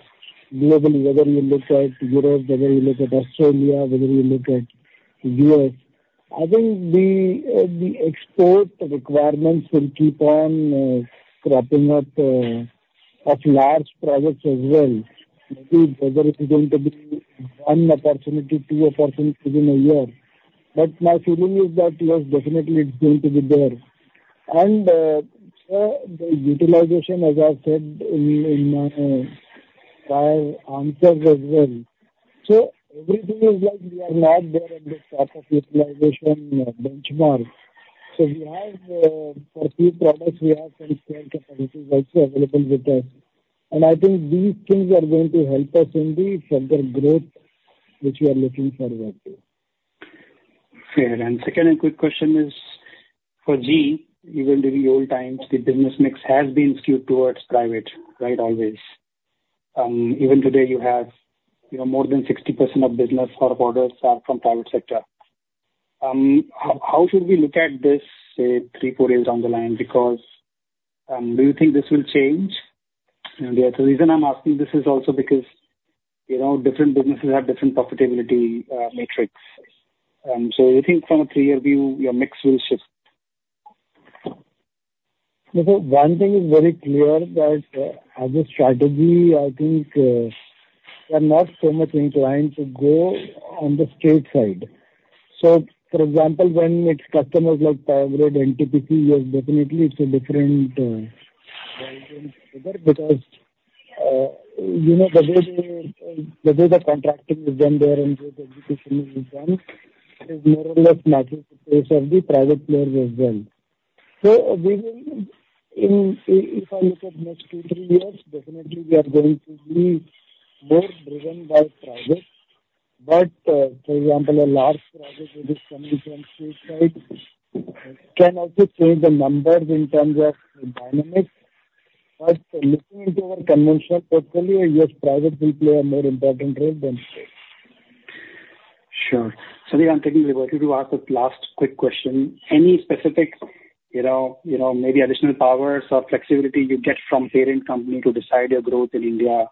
globally, whether you look at Europe, whether you look at Australia, whether you look at the U.S., I think the export requirements will keep on cropping up of large projects as well. Maybe whether it's going to be one opportunity, two opportunities in a year. But my feeling is that, yes, definitely, it's going to be there. And the utilization, as I said in my prior answers as well. So everything is like we are not there at the top of utilization benchmark. So for a few products, we have some scale capacities also available with us. And I think these things are going to help us in the further growth which we are looking forward to. Fair. And second, a quick question is for GE, even during the old times, the business mix has been skewed towards private, right, always. Even today, you have more than 60% of business or orders are from private sector. How should we look at this, say, three, four years down the line? Because do you think this will change? And the reason I'm asking this is also because different businesses have different profitability metrics. So do you think from a three-year view, your mix will shift? One thing is very clear that as a strategy, I think we are not so much inclined to go on the straight side. So for example, when it's customers like Power Grid, NTPC, yes, definitely, it's a different way because the way the contracting is done there and the execution is done is more or less matching the pace of the private players as well. So if I look at the next two, three years, definitely, we are going to be more driven by private. But for example, a large project which is coming from stateside can also change the numbers in terms of dynamics. But looking into our conventional portfolio, yes, private will play a more important role than state. Sure. So I'm thinking reverting to ask this last quick question. Any specific, maybe additional powers or flexibility you get from parent company to decide your growth in India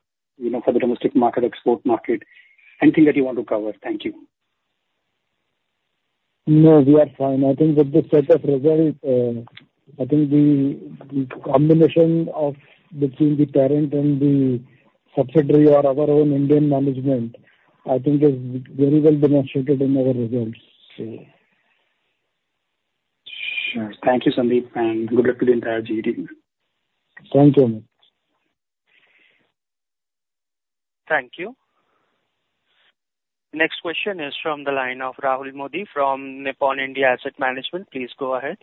for the domestic market, export market? Anything that you want to cover? Thank you. No, we are fine. I think with the set of results, I think the combination between the parent and the subsidiary or our own Indian management, I think, is very well demonstrated in our results. Sure. Thank you, Sandeep. And good luck to the entire GE team. Thank you, Amit. Thank you. Next question is from the line of Rahul Modi from Nippon India Asset Management. Please go ahead.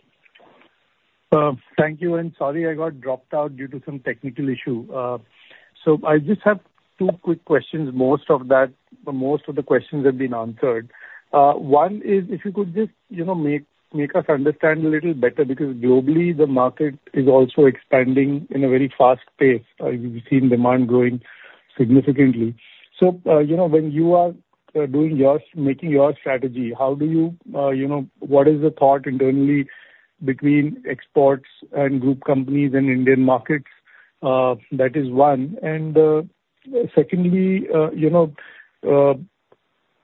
Thank you. And sorry, I got dropped out due to some technical issue. So I just have two quick questions. Most of the questions have been answered. One is if you could just make us understand a little better because globally, the market is also expanding in a very fast pace. We've seen demand growing significantly. So when you are making your strategy, how do you what is the thought internally between exports and group companies and Indian markets? That is one. And secondly,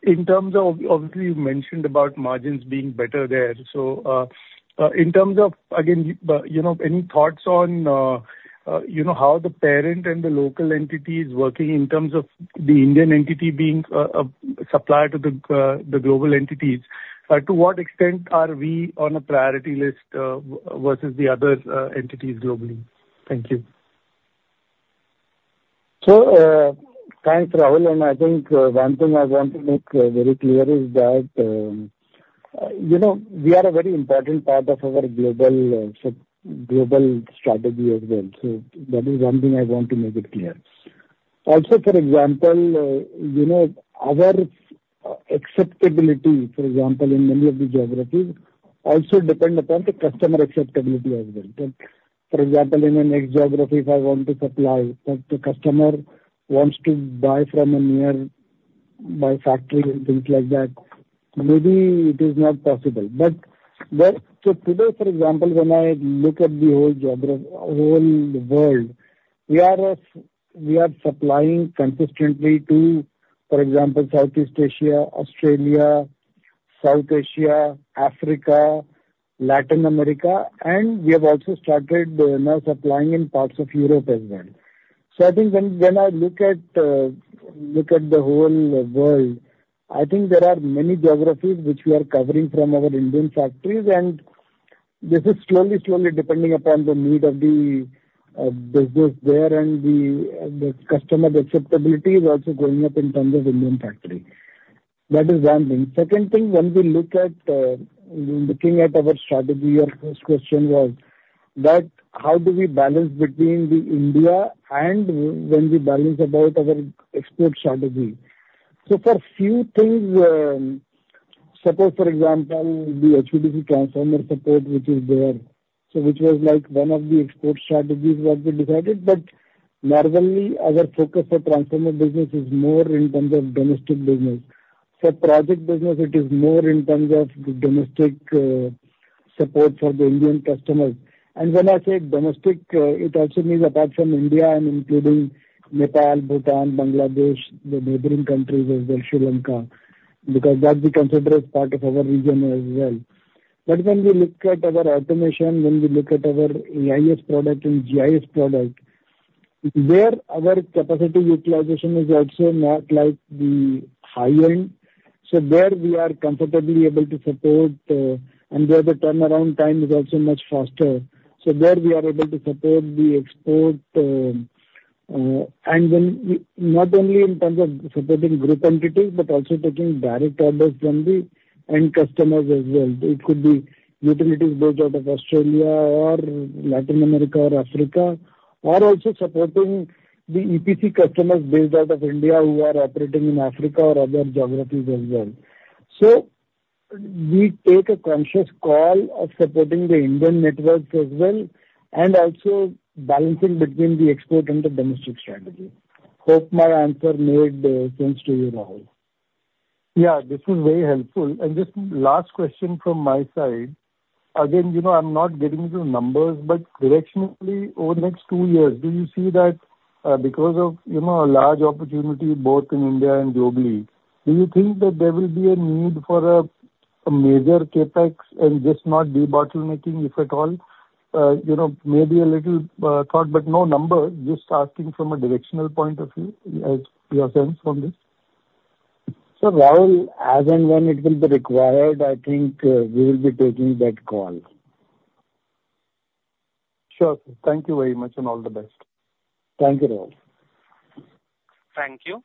in terms of obviously, you mentioned about margins being better there. So in terms of, again, any thoughts on how the parent and the local entity is working in terms of the Indian entity being a supplier to the global entities? To what extent are we on a priority list versus the other entities globally? Thank you. Thanks, Rahul. I think one thing I want to make very clear is that we are a very important part of our global strategy as well. That is one thing I want to make clear. Also, for example, our acceptability, for example, in many of the geographies also depends upon the customer acceptability as well. For example, in the next geography, if I want to supply, but the customer wants to buy from a nearby factory and things like that, maybe it is not possible. But today, for example, when I look at the whole world, we are supplying consistently to, for example, Southeast Asia, Australia, South Asia, Africa, Latin America, and we have also started now supplying in parts of Europe as well. So I think when I look at the whole world, I think there are many geographies which we are covering from our Indian factories. And this is slowly, slowly depending upon the need of the business there, and the customer acceptability is also going up in terms of Indian factory. That is one thing. Second thing, when we look at our strategy, your first question was that how do we balance between the India and when we balance about our export strategy? So for a few things, suppose, for example, the HVDC transformer support, which is there, which was one of the export strategies that we decided. But normally, our focus for transformer business is more in terms of domestic business. For project business, it is more in terms of domestic support for the Indian customers. And when I say domestic, it also means apart from India, I'm including Nepal, Bhutan, Bangladesh, the neighboring countries as well, Sri Lanka, because that we consider as part of our region as well. But when we look at our automation, when we look at our AIS product and GIS product, where our capacity utilization is also not like the high-end, so there we are comfortably able to support, and there the turnaround time is also much faster. So there we are able to support the export. And not only in terms of supporting group entities, but also taking direct orders from the end customers as well. It could be utilities based out of Australia or Latin America or Africa, or also supporting the EPC customers based out of India who are operating in Africa or other geographies as well. So we take a conscious call of supporting the Indian networks as well and also balancing between the export and the domestic strategy. Hope my answer made sense to you, Rahul. Yeah, this was very helpful. Just last question from my side. Again, I'm not getting into numbers, but directionally, over the next two years, do you see that because of a large opportunity both in India and globally, do you think that there will be a need for a major CapEx and just not debottlenecking, if at all? Maybe a little thought, but no numbers, just asking from a directional point of view, your sense on this? Rahul, as and when it will be required, I think we will be taking that call. Sure. Thank you very much and all the best. Thank you, Rahul. Thank you.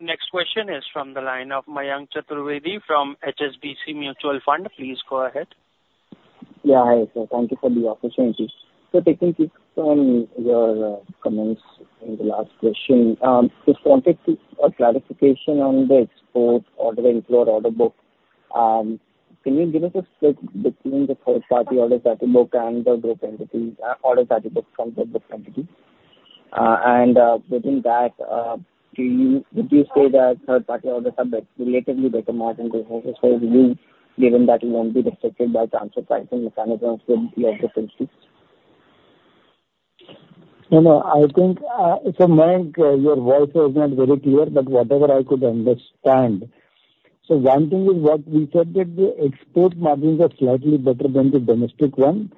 Next question is from the line of Mayank Chaturvedi from HSBC Mutual Fund. Please go ahead. Yeah, hi there. Thank you for the opportunity. So taking your comments in the last question, just wanted a clarification on the export order inflow order book. Can you give us a split between the third-party orders that you book and the group entity orders that you book from the book entity? And within that, would you say that third-party orders have relatively better margin to hold you, given that you won't be restricted by transfer pricing mechanisms with your group entity? I think, so Mayank, your voice was not very clear, but whatever I could understand. So one thing is what we said, that the export margins are slightly better than the domestic one.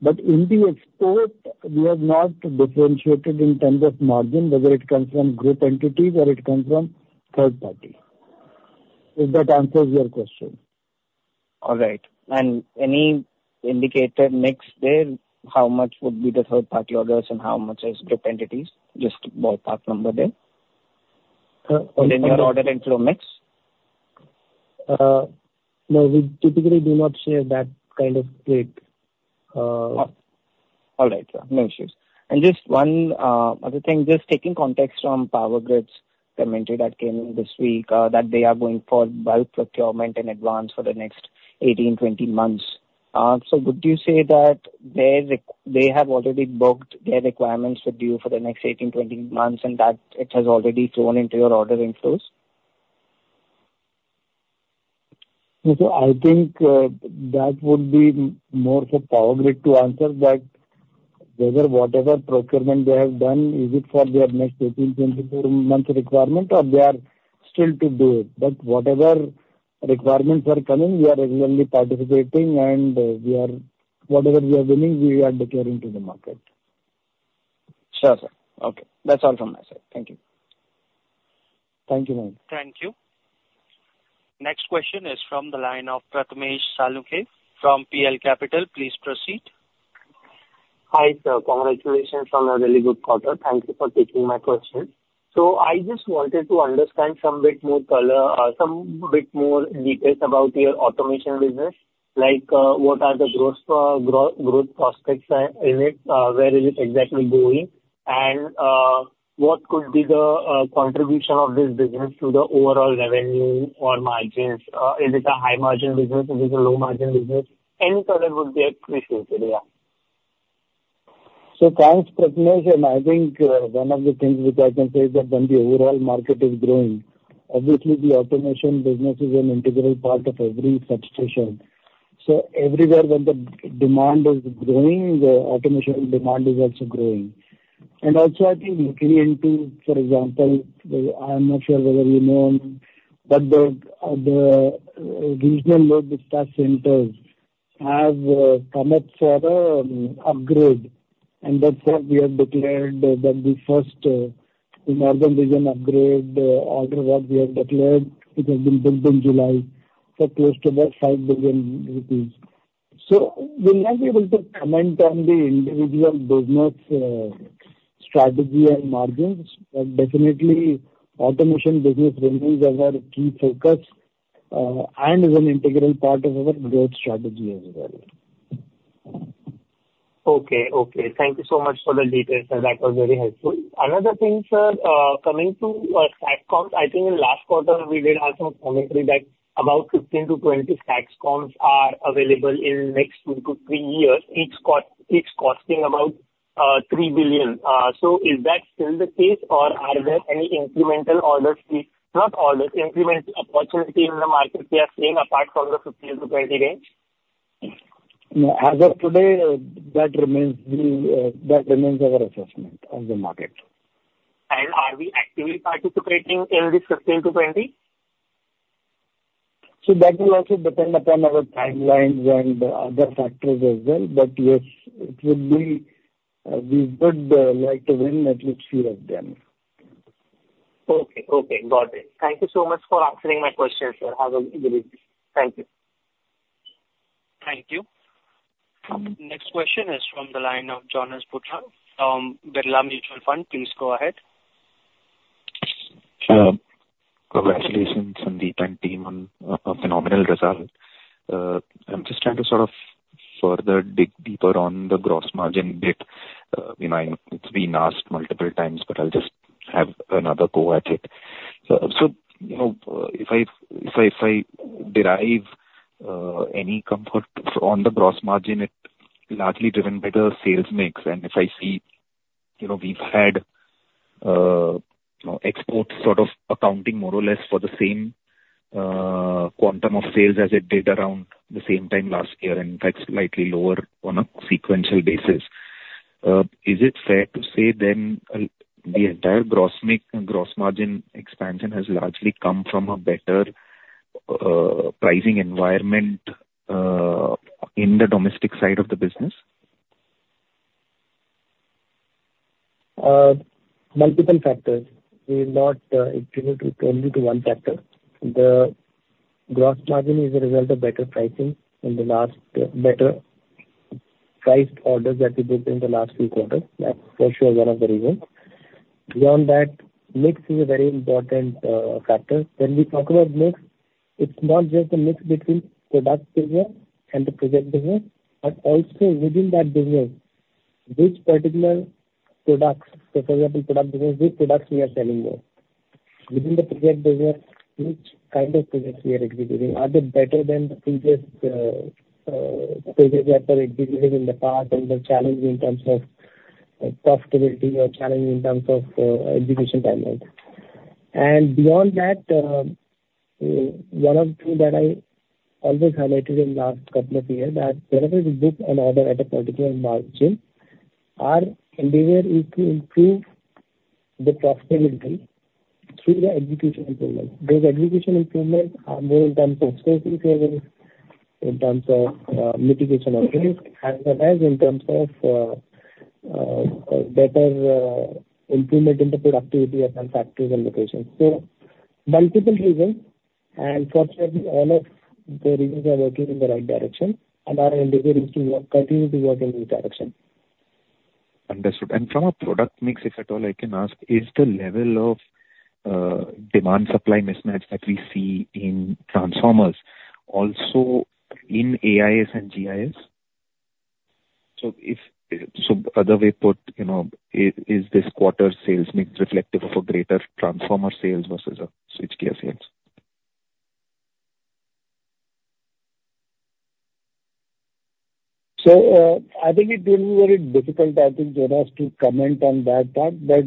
But in the export, we have not differentiated in terms of margin, whether it comes from group entities or it comes from third party. If that answers your question. All right. Any indicator mix there? How much would be the third-party orders and how much is group entities? Just ballpark number there. Okay. Within your order and floor mix? No, we typically do not share that kind of split. All right. No issues. And just one other thing, just taking context from Power Grid's commentary that came this week, that they are going for bulk procurement in advance for the next 18, 20 months. So would you say that they have already booked their requirements with you for the next 18, 20 months and that it has already flown into your ordering flows? So I think that would be more for Power Grid to answer, that whether whatever procurement they have done, is it for their next 18, 20 months requirement, or they are still to do it. But whatever requirements are coming, we are regularly participating, and whatever we are winning, we are declaring to the market. Sure. Okay. That's all from my side. Thank you. Thank you, Mayank. Thank you. Next question is from the line of Prathmesh Salunkhe from PL Capital. Please proceed. Hi sir. Congratulations on a really good quarter. Thank you for taking my question. So I just wanted to understand some bit more details about your automation business, like what are the growth prospects in it? Where is it exactly going? And what could be the contribution of this business to the overall revenue or margins? Is it a high-margin business? Is it a low-margin business? Any color would be appreciated. Yeah. So thanks, Prathmesh. And I think one of the things which I can say is that when the overall market is growing, obviously, the automation business is an integral part of every substation. So everywhere where the demand is growing, the automation demand is also growing. And also, I think looking into, for example, I'm not sure whether you know, but the regional logistics centers have come up for an upgrade. That's what we have declared, that the first northern region upgrade order work we have declared, it has been built in July for close to about 5 billion rupees. We'll not be able to comment on the individual business strategy and margins, but definitely, automation business remains our key focus and is an integral part of our growth strategy as well. Okay. Okay. Thank you so much for the details, sir. That was very helpful. Another thing, sir, coming to STATCOMs, I think in the last quarter, we did have some commentary that about 15-20 STATCOMs are available in the next 2-3 years, each costing about 3 billion. So is that still the case, or are there any incremental orders? Not orders, incremental opportunity in the market we are seeing apart from the 15-20 range? As of today, that remains our assessment of the market. Are we actively participating in this 15-20? So that will also depend upon our timelines and other factors as well. But yes, it would be we would like to win at least a few of them. Okay. Okay. Got it. Thank you so much for answering my question, sir. Have a good evening. Thank you. Thank you. Next question is from the line of Jonas Bhutta, Birla Mutual Fund. Please go ahead. Sure. Congratulations, Sandeep and team, on a phenomenal result. I'm just trying to sort of further dig deeper on the gross margin bit. It's been asked multiple times, but I'll just have another go at it. So if I derive any comfort on the gross margin, it's largely driven by the sales mix. And if I see we've had exports sort of accounting more or less for the same quantum of sales as it did around the same time last year, and in fact, slightly lower on a sequential basis, is it fair to say then the entire gross margin expansion has largely come from a better pricing environment in the domestic side of the business? Multiple factors. We're not attributing only to one factor. The Gross Margin is a result of better pricing in the last better priced orders that we booked in the last few quarters. That's for sure one of the reasons. Beyond that, mix is a very important factor. When we talk about mix, it's not just the mix between product business and the project business, but also within that business, which particular products, so for example, product business, which products we are selling more? Within the project business, which kind of projects we are executing? Are they better than the previous projects that were executed in the past and were challenged in terms of profitability or challenged in terms of execution timelines? Beyond that, one of the things that I always highlighted in the last couple of years that whenever we book an order at a particular margin, our endeavor is to improve the profitability through the execution improvements. Those execution improvements are more in terms of sourcing savings, in terms of mitigation of risk, as well as in terms of better improvement in the productivity of manufacturers and locations. So multiple reasons. Fortunately, all of the reasons are working in the right direction, and our endeavor is to continue to work in this direction. Understood. And from a product mix, if at all, I can ask, is the level of demand-supply mismatch that we see in transformers also in AIS and GIS? So other way put, is this quarter's sales mix reflective of a greater transformer sales versus a switchgear sales? So I think it will be very difficult, I think, Jonas, to comment on that part. But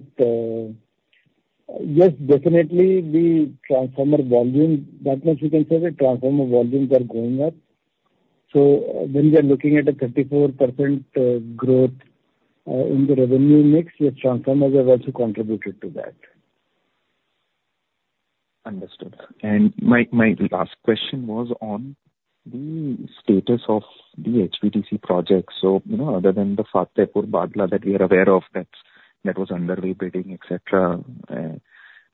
yes, definitely, the transformer volume, that much we can say that transformer volumes are going up. So when we are looking at a 34% growth in the revenue mix, yes, transformers have also contributed to that. Understood. My last question was on the status of the HVDC projects. Other than the Fatehpur-Bhadla that we are aware of, that was underway bidding, etc.,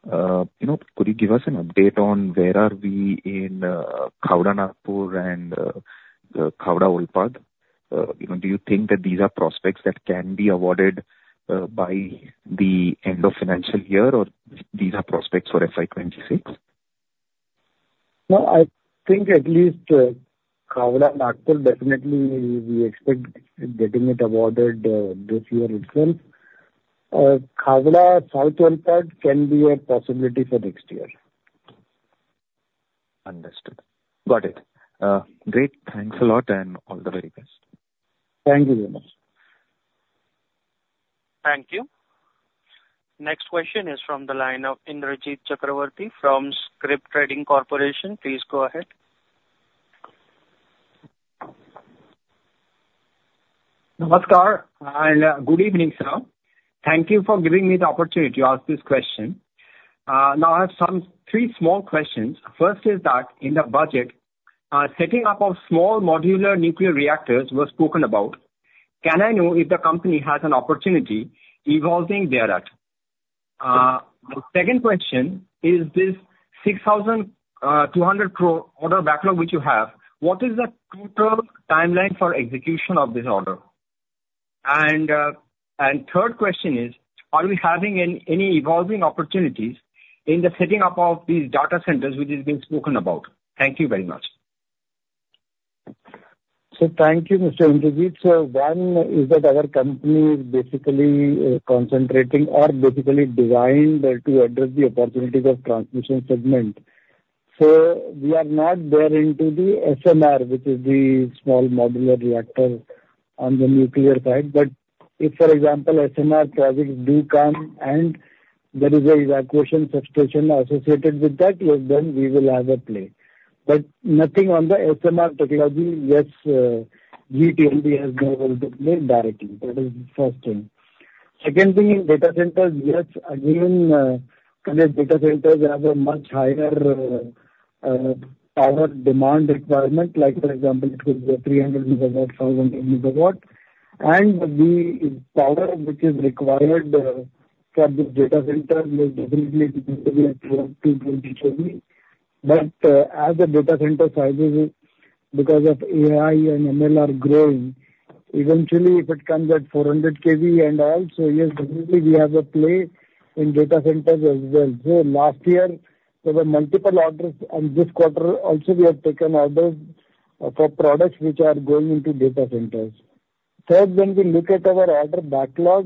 could you give us an update on where are we in Khavda-Nagpur and Khavda-Olpad? Do you think that these are prospects that can be awarded by the end of financial year, or these are prospects for FY26? No, I think at least Khavda Nagpur definitely we expect getting it awarded this year itself. Khavda South Olpad can be a possibility for next year. Understood. Got it. Great. Thanks a lot and all the very best. Thank you very much. Thank you. Next question is from the line of Indrajit Chakravarty from Scrip Trading Corporation. Please go ahead. Namaskar and good evening, sir. Thank you for giving me the opportunity to ask this question. Now, I have three small questions. First is that in the budget, setting up of small modular nuclear reactors was spoken about. Can I know if the company has an opportunity evolving there at? The second question is this 6,200 crore order backlog which you have, what is the total timeline for execution of this order? And third question is, are we having any evolving opportunities in the setting up of these data centers which has been spoken about? Thank you very much. So thank you, Mr. Indrajit. So one is that our company is basically concentrating or basically designed to address the opportunities of transmission segment. So we are not there into the SMR, which is the small modular reactor on the nuclear side. But if, for example, SMR projects do come and there is an evacuation substation associated with that, yes, then we will have a play. But nothing on the SMR technology, yes, GE T&D has no role to play directly. That is the first thing. Second thing, in data centers, yes, again, today's data centers have a much higher power demand requirement. Like, for example, it could be 300 MW, 1,000 MW. And the power which is required for the data center is definitely comparable to 220 kV. But as the data center sizes, because of AI and ML, are growing, eventually, if it comes at 400 kV and all, so yes, definitely we have a play in data centers as well. So last year, there were multiple orders, and this quarter also, we have taken orders for products which are going into data centers. Third, when we look at our order backlog,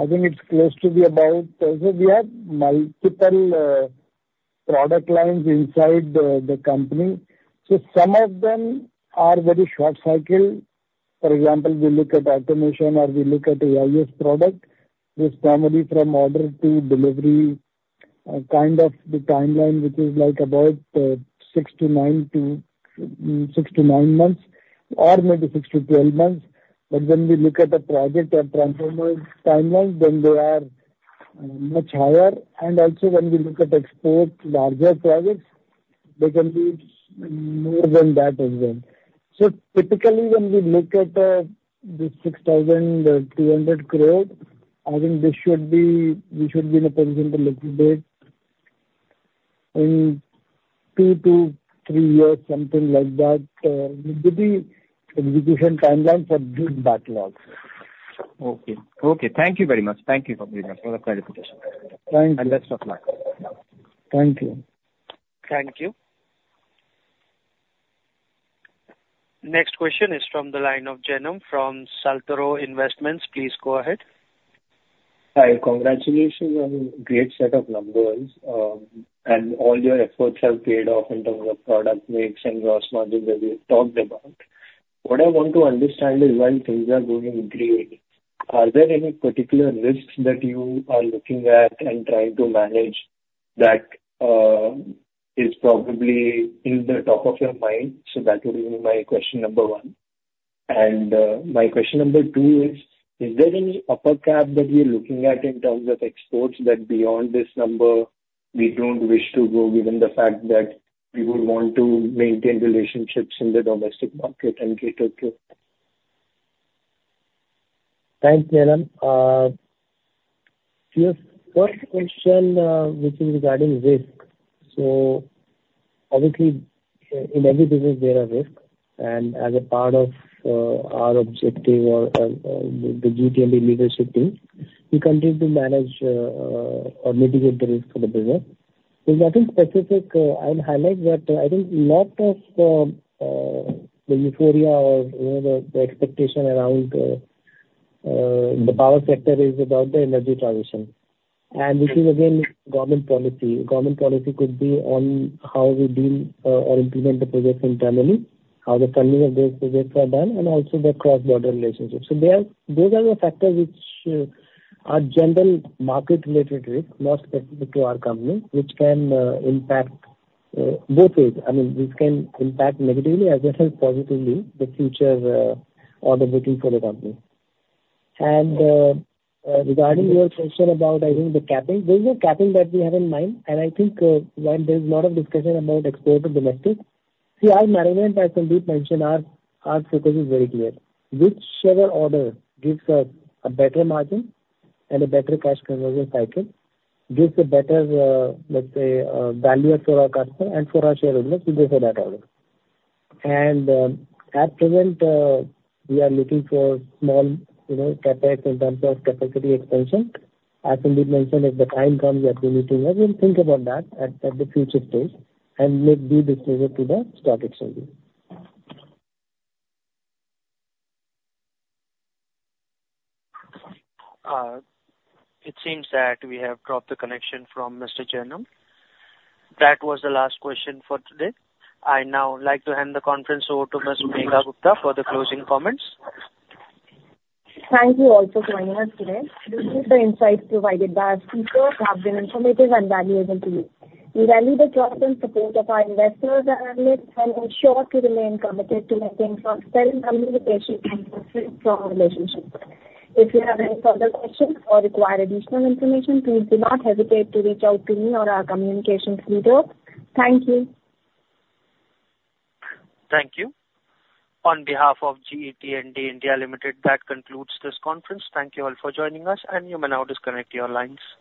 I think it's close to be about, so we have multiple product lines inside the company. So some of them are very short cycle. For example, we look at automation or we look at AIS product, which normally from order to delivery kind of the timeline, which is like about 6-9 months or maybe 6-12 months. But when we look at the project and transformer timelines, then they are much higher. Also, when we look at export, larger projects, they can be more than that as well. Typically, when we look at the 6,200 crore, I think this should be we should be in a position to look at it in two to three years, something like that, with the execution timeline for this backlog. Okay. Okay. Thank you very much. Thank you, Prathmesh, for the clarification. Thank you. Best of luck. Thank you. Thank you. Next question is from the line of Jainam from Saltoro Investments. Please go ahead. Hi. Congratulations on a great set of numbers. All your efforts have paid off in terms of product mix and gross margin that we talked about. What I want to understand is, while things are going great, are there any particular risks that you are looking at and trying to manage that is probably in the top of your mind? That would be my question number one. My question number two is, is there any upper cap that you're looking at in terms of exports that beyond this number, we don't wish to go given the fact that we would want to maintain relationships in the domestic market and share of trade? Thanks, Jainam. Your first question, which is regarding risk. Obviously, in every business, there are risks. As part of our objective of the GE T&D leadership team, we continue to manage or mitigate the risk for the business. There's nothing specific I'd highlight, but I think a lot of the euphoria or the expectation around the power sector is about the energy transition. And this is, again, government policy. Government policy could be on how we deal or implement the projects internally, how the funding of those projects are done, and also the cross-border relationships. So those are the factors which are general market-related risks, not specific to our company, which can impact both ways. I mean, this can impact negatively as well as positively the future order booking for the company. And regarding your question about, I think, the capping, those are capping that we have in mind. I think while there's a lot of discussion about export to domestic, CR management, as Sandeep mentioned, our focus is very clear. Whichever order gives us a better margin and a better cash conversion cycle gives a better, let's say, value for our customer and for our shareholders, we go for that order. At present, we are looking for small CapEx in terms of capacity expansion. As Sandeep mentioned, if the time comes that we need to, we'll think about that at the future stage and make due disclosure to the stock exchange. It seems that we have dropped the connection from Mr. Jainam Shah. That was the last question for today. I now like to hand the conference over to Ms. Megha Gupta for the closing comments. Thank you all for joining us today. Do you believe the insights provided by our speakers have been informative and valuable to you? We value the trust and support of our investors and analysts and ensure to remain committed to maintaining sustained communication and strong relationships. If you have any further questions or require additional information, please do not hesitate to reach out to me or our communications leader. Thank you. Thank you. On behalf of GE T&D India Limited, that concludes this conference. Thank you all for joining us, and you may now disconnect your lines.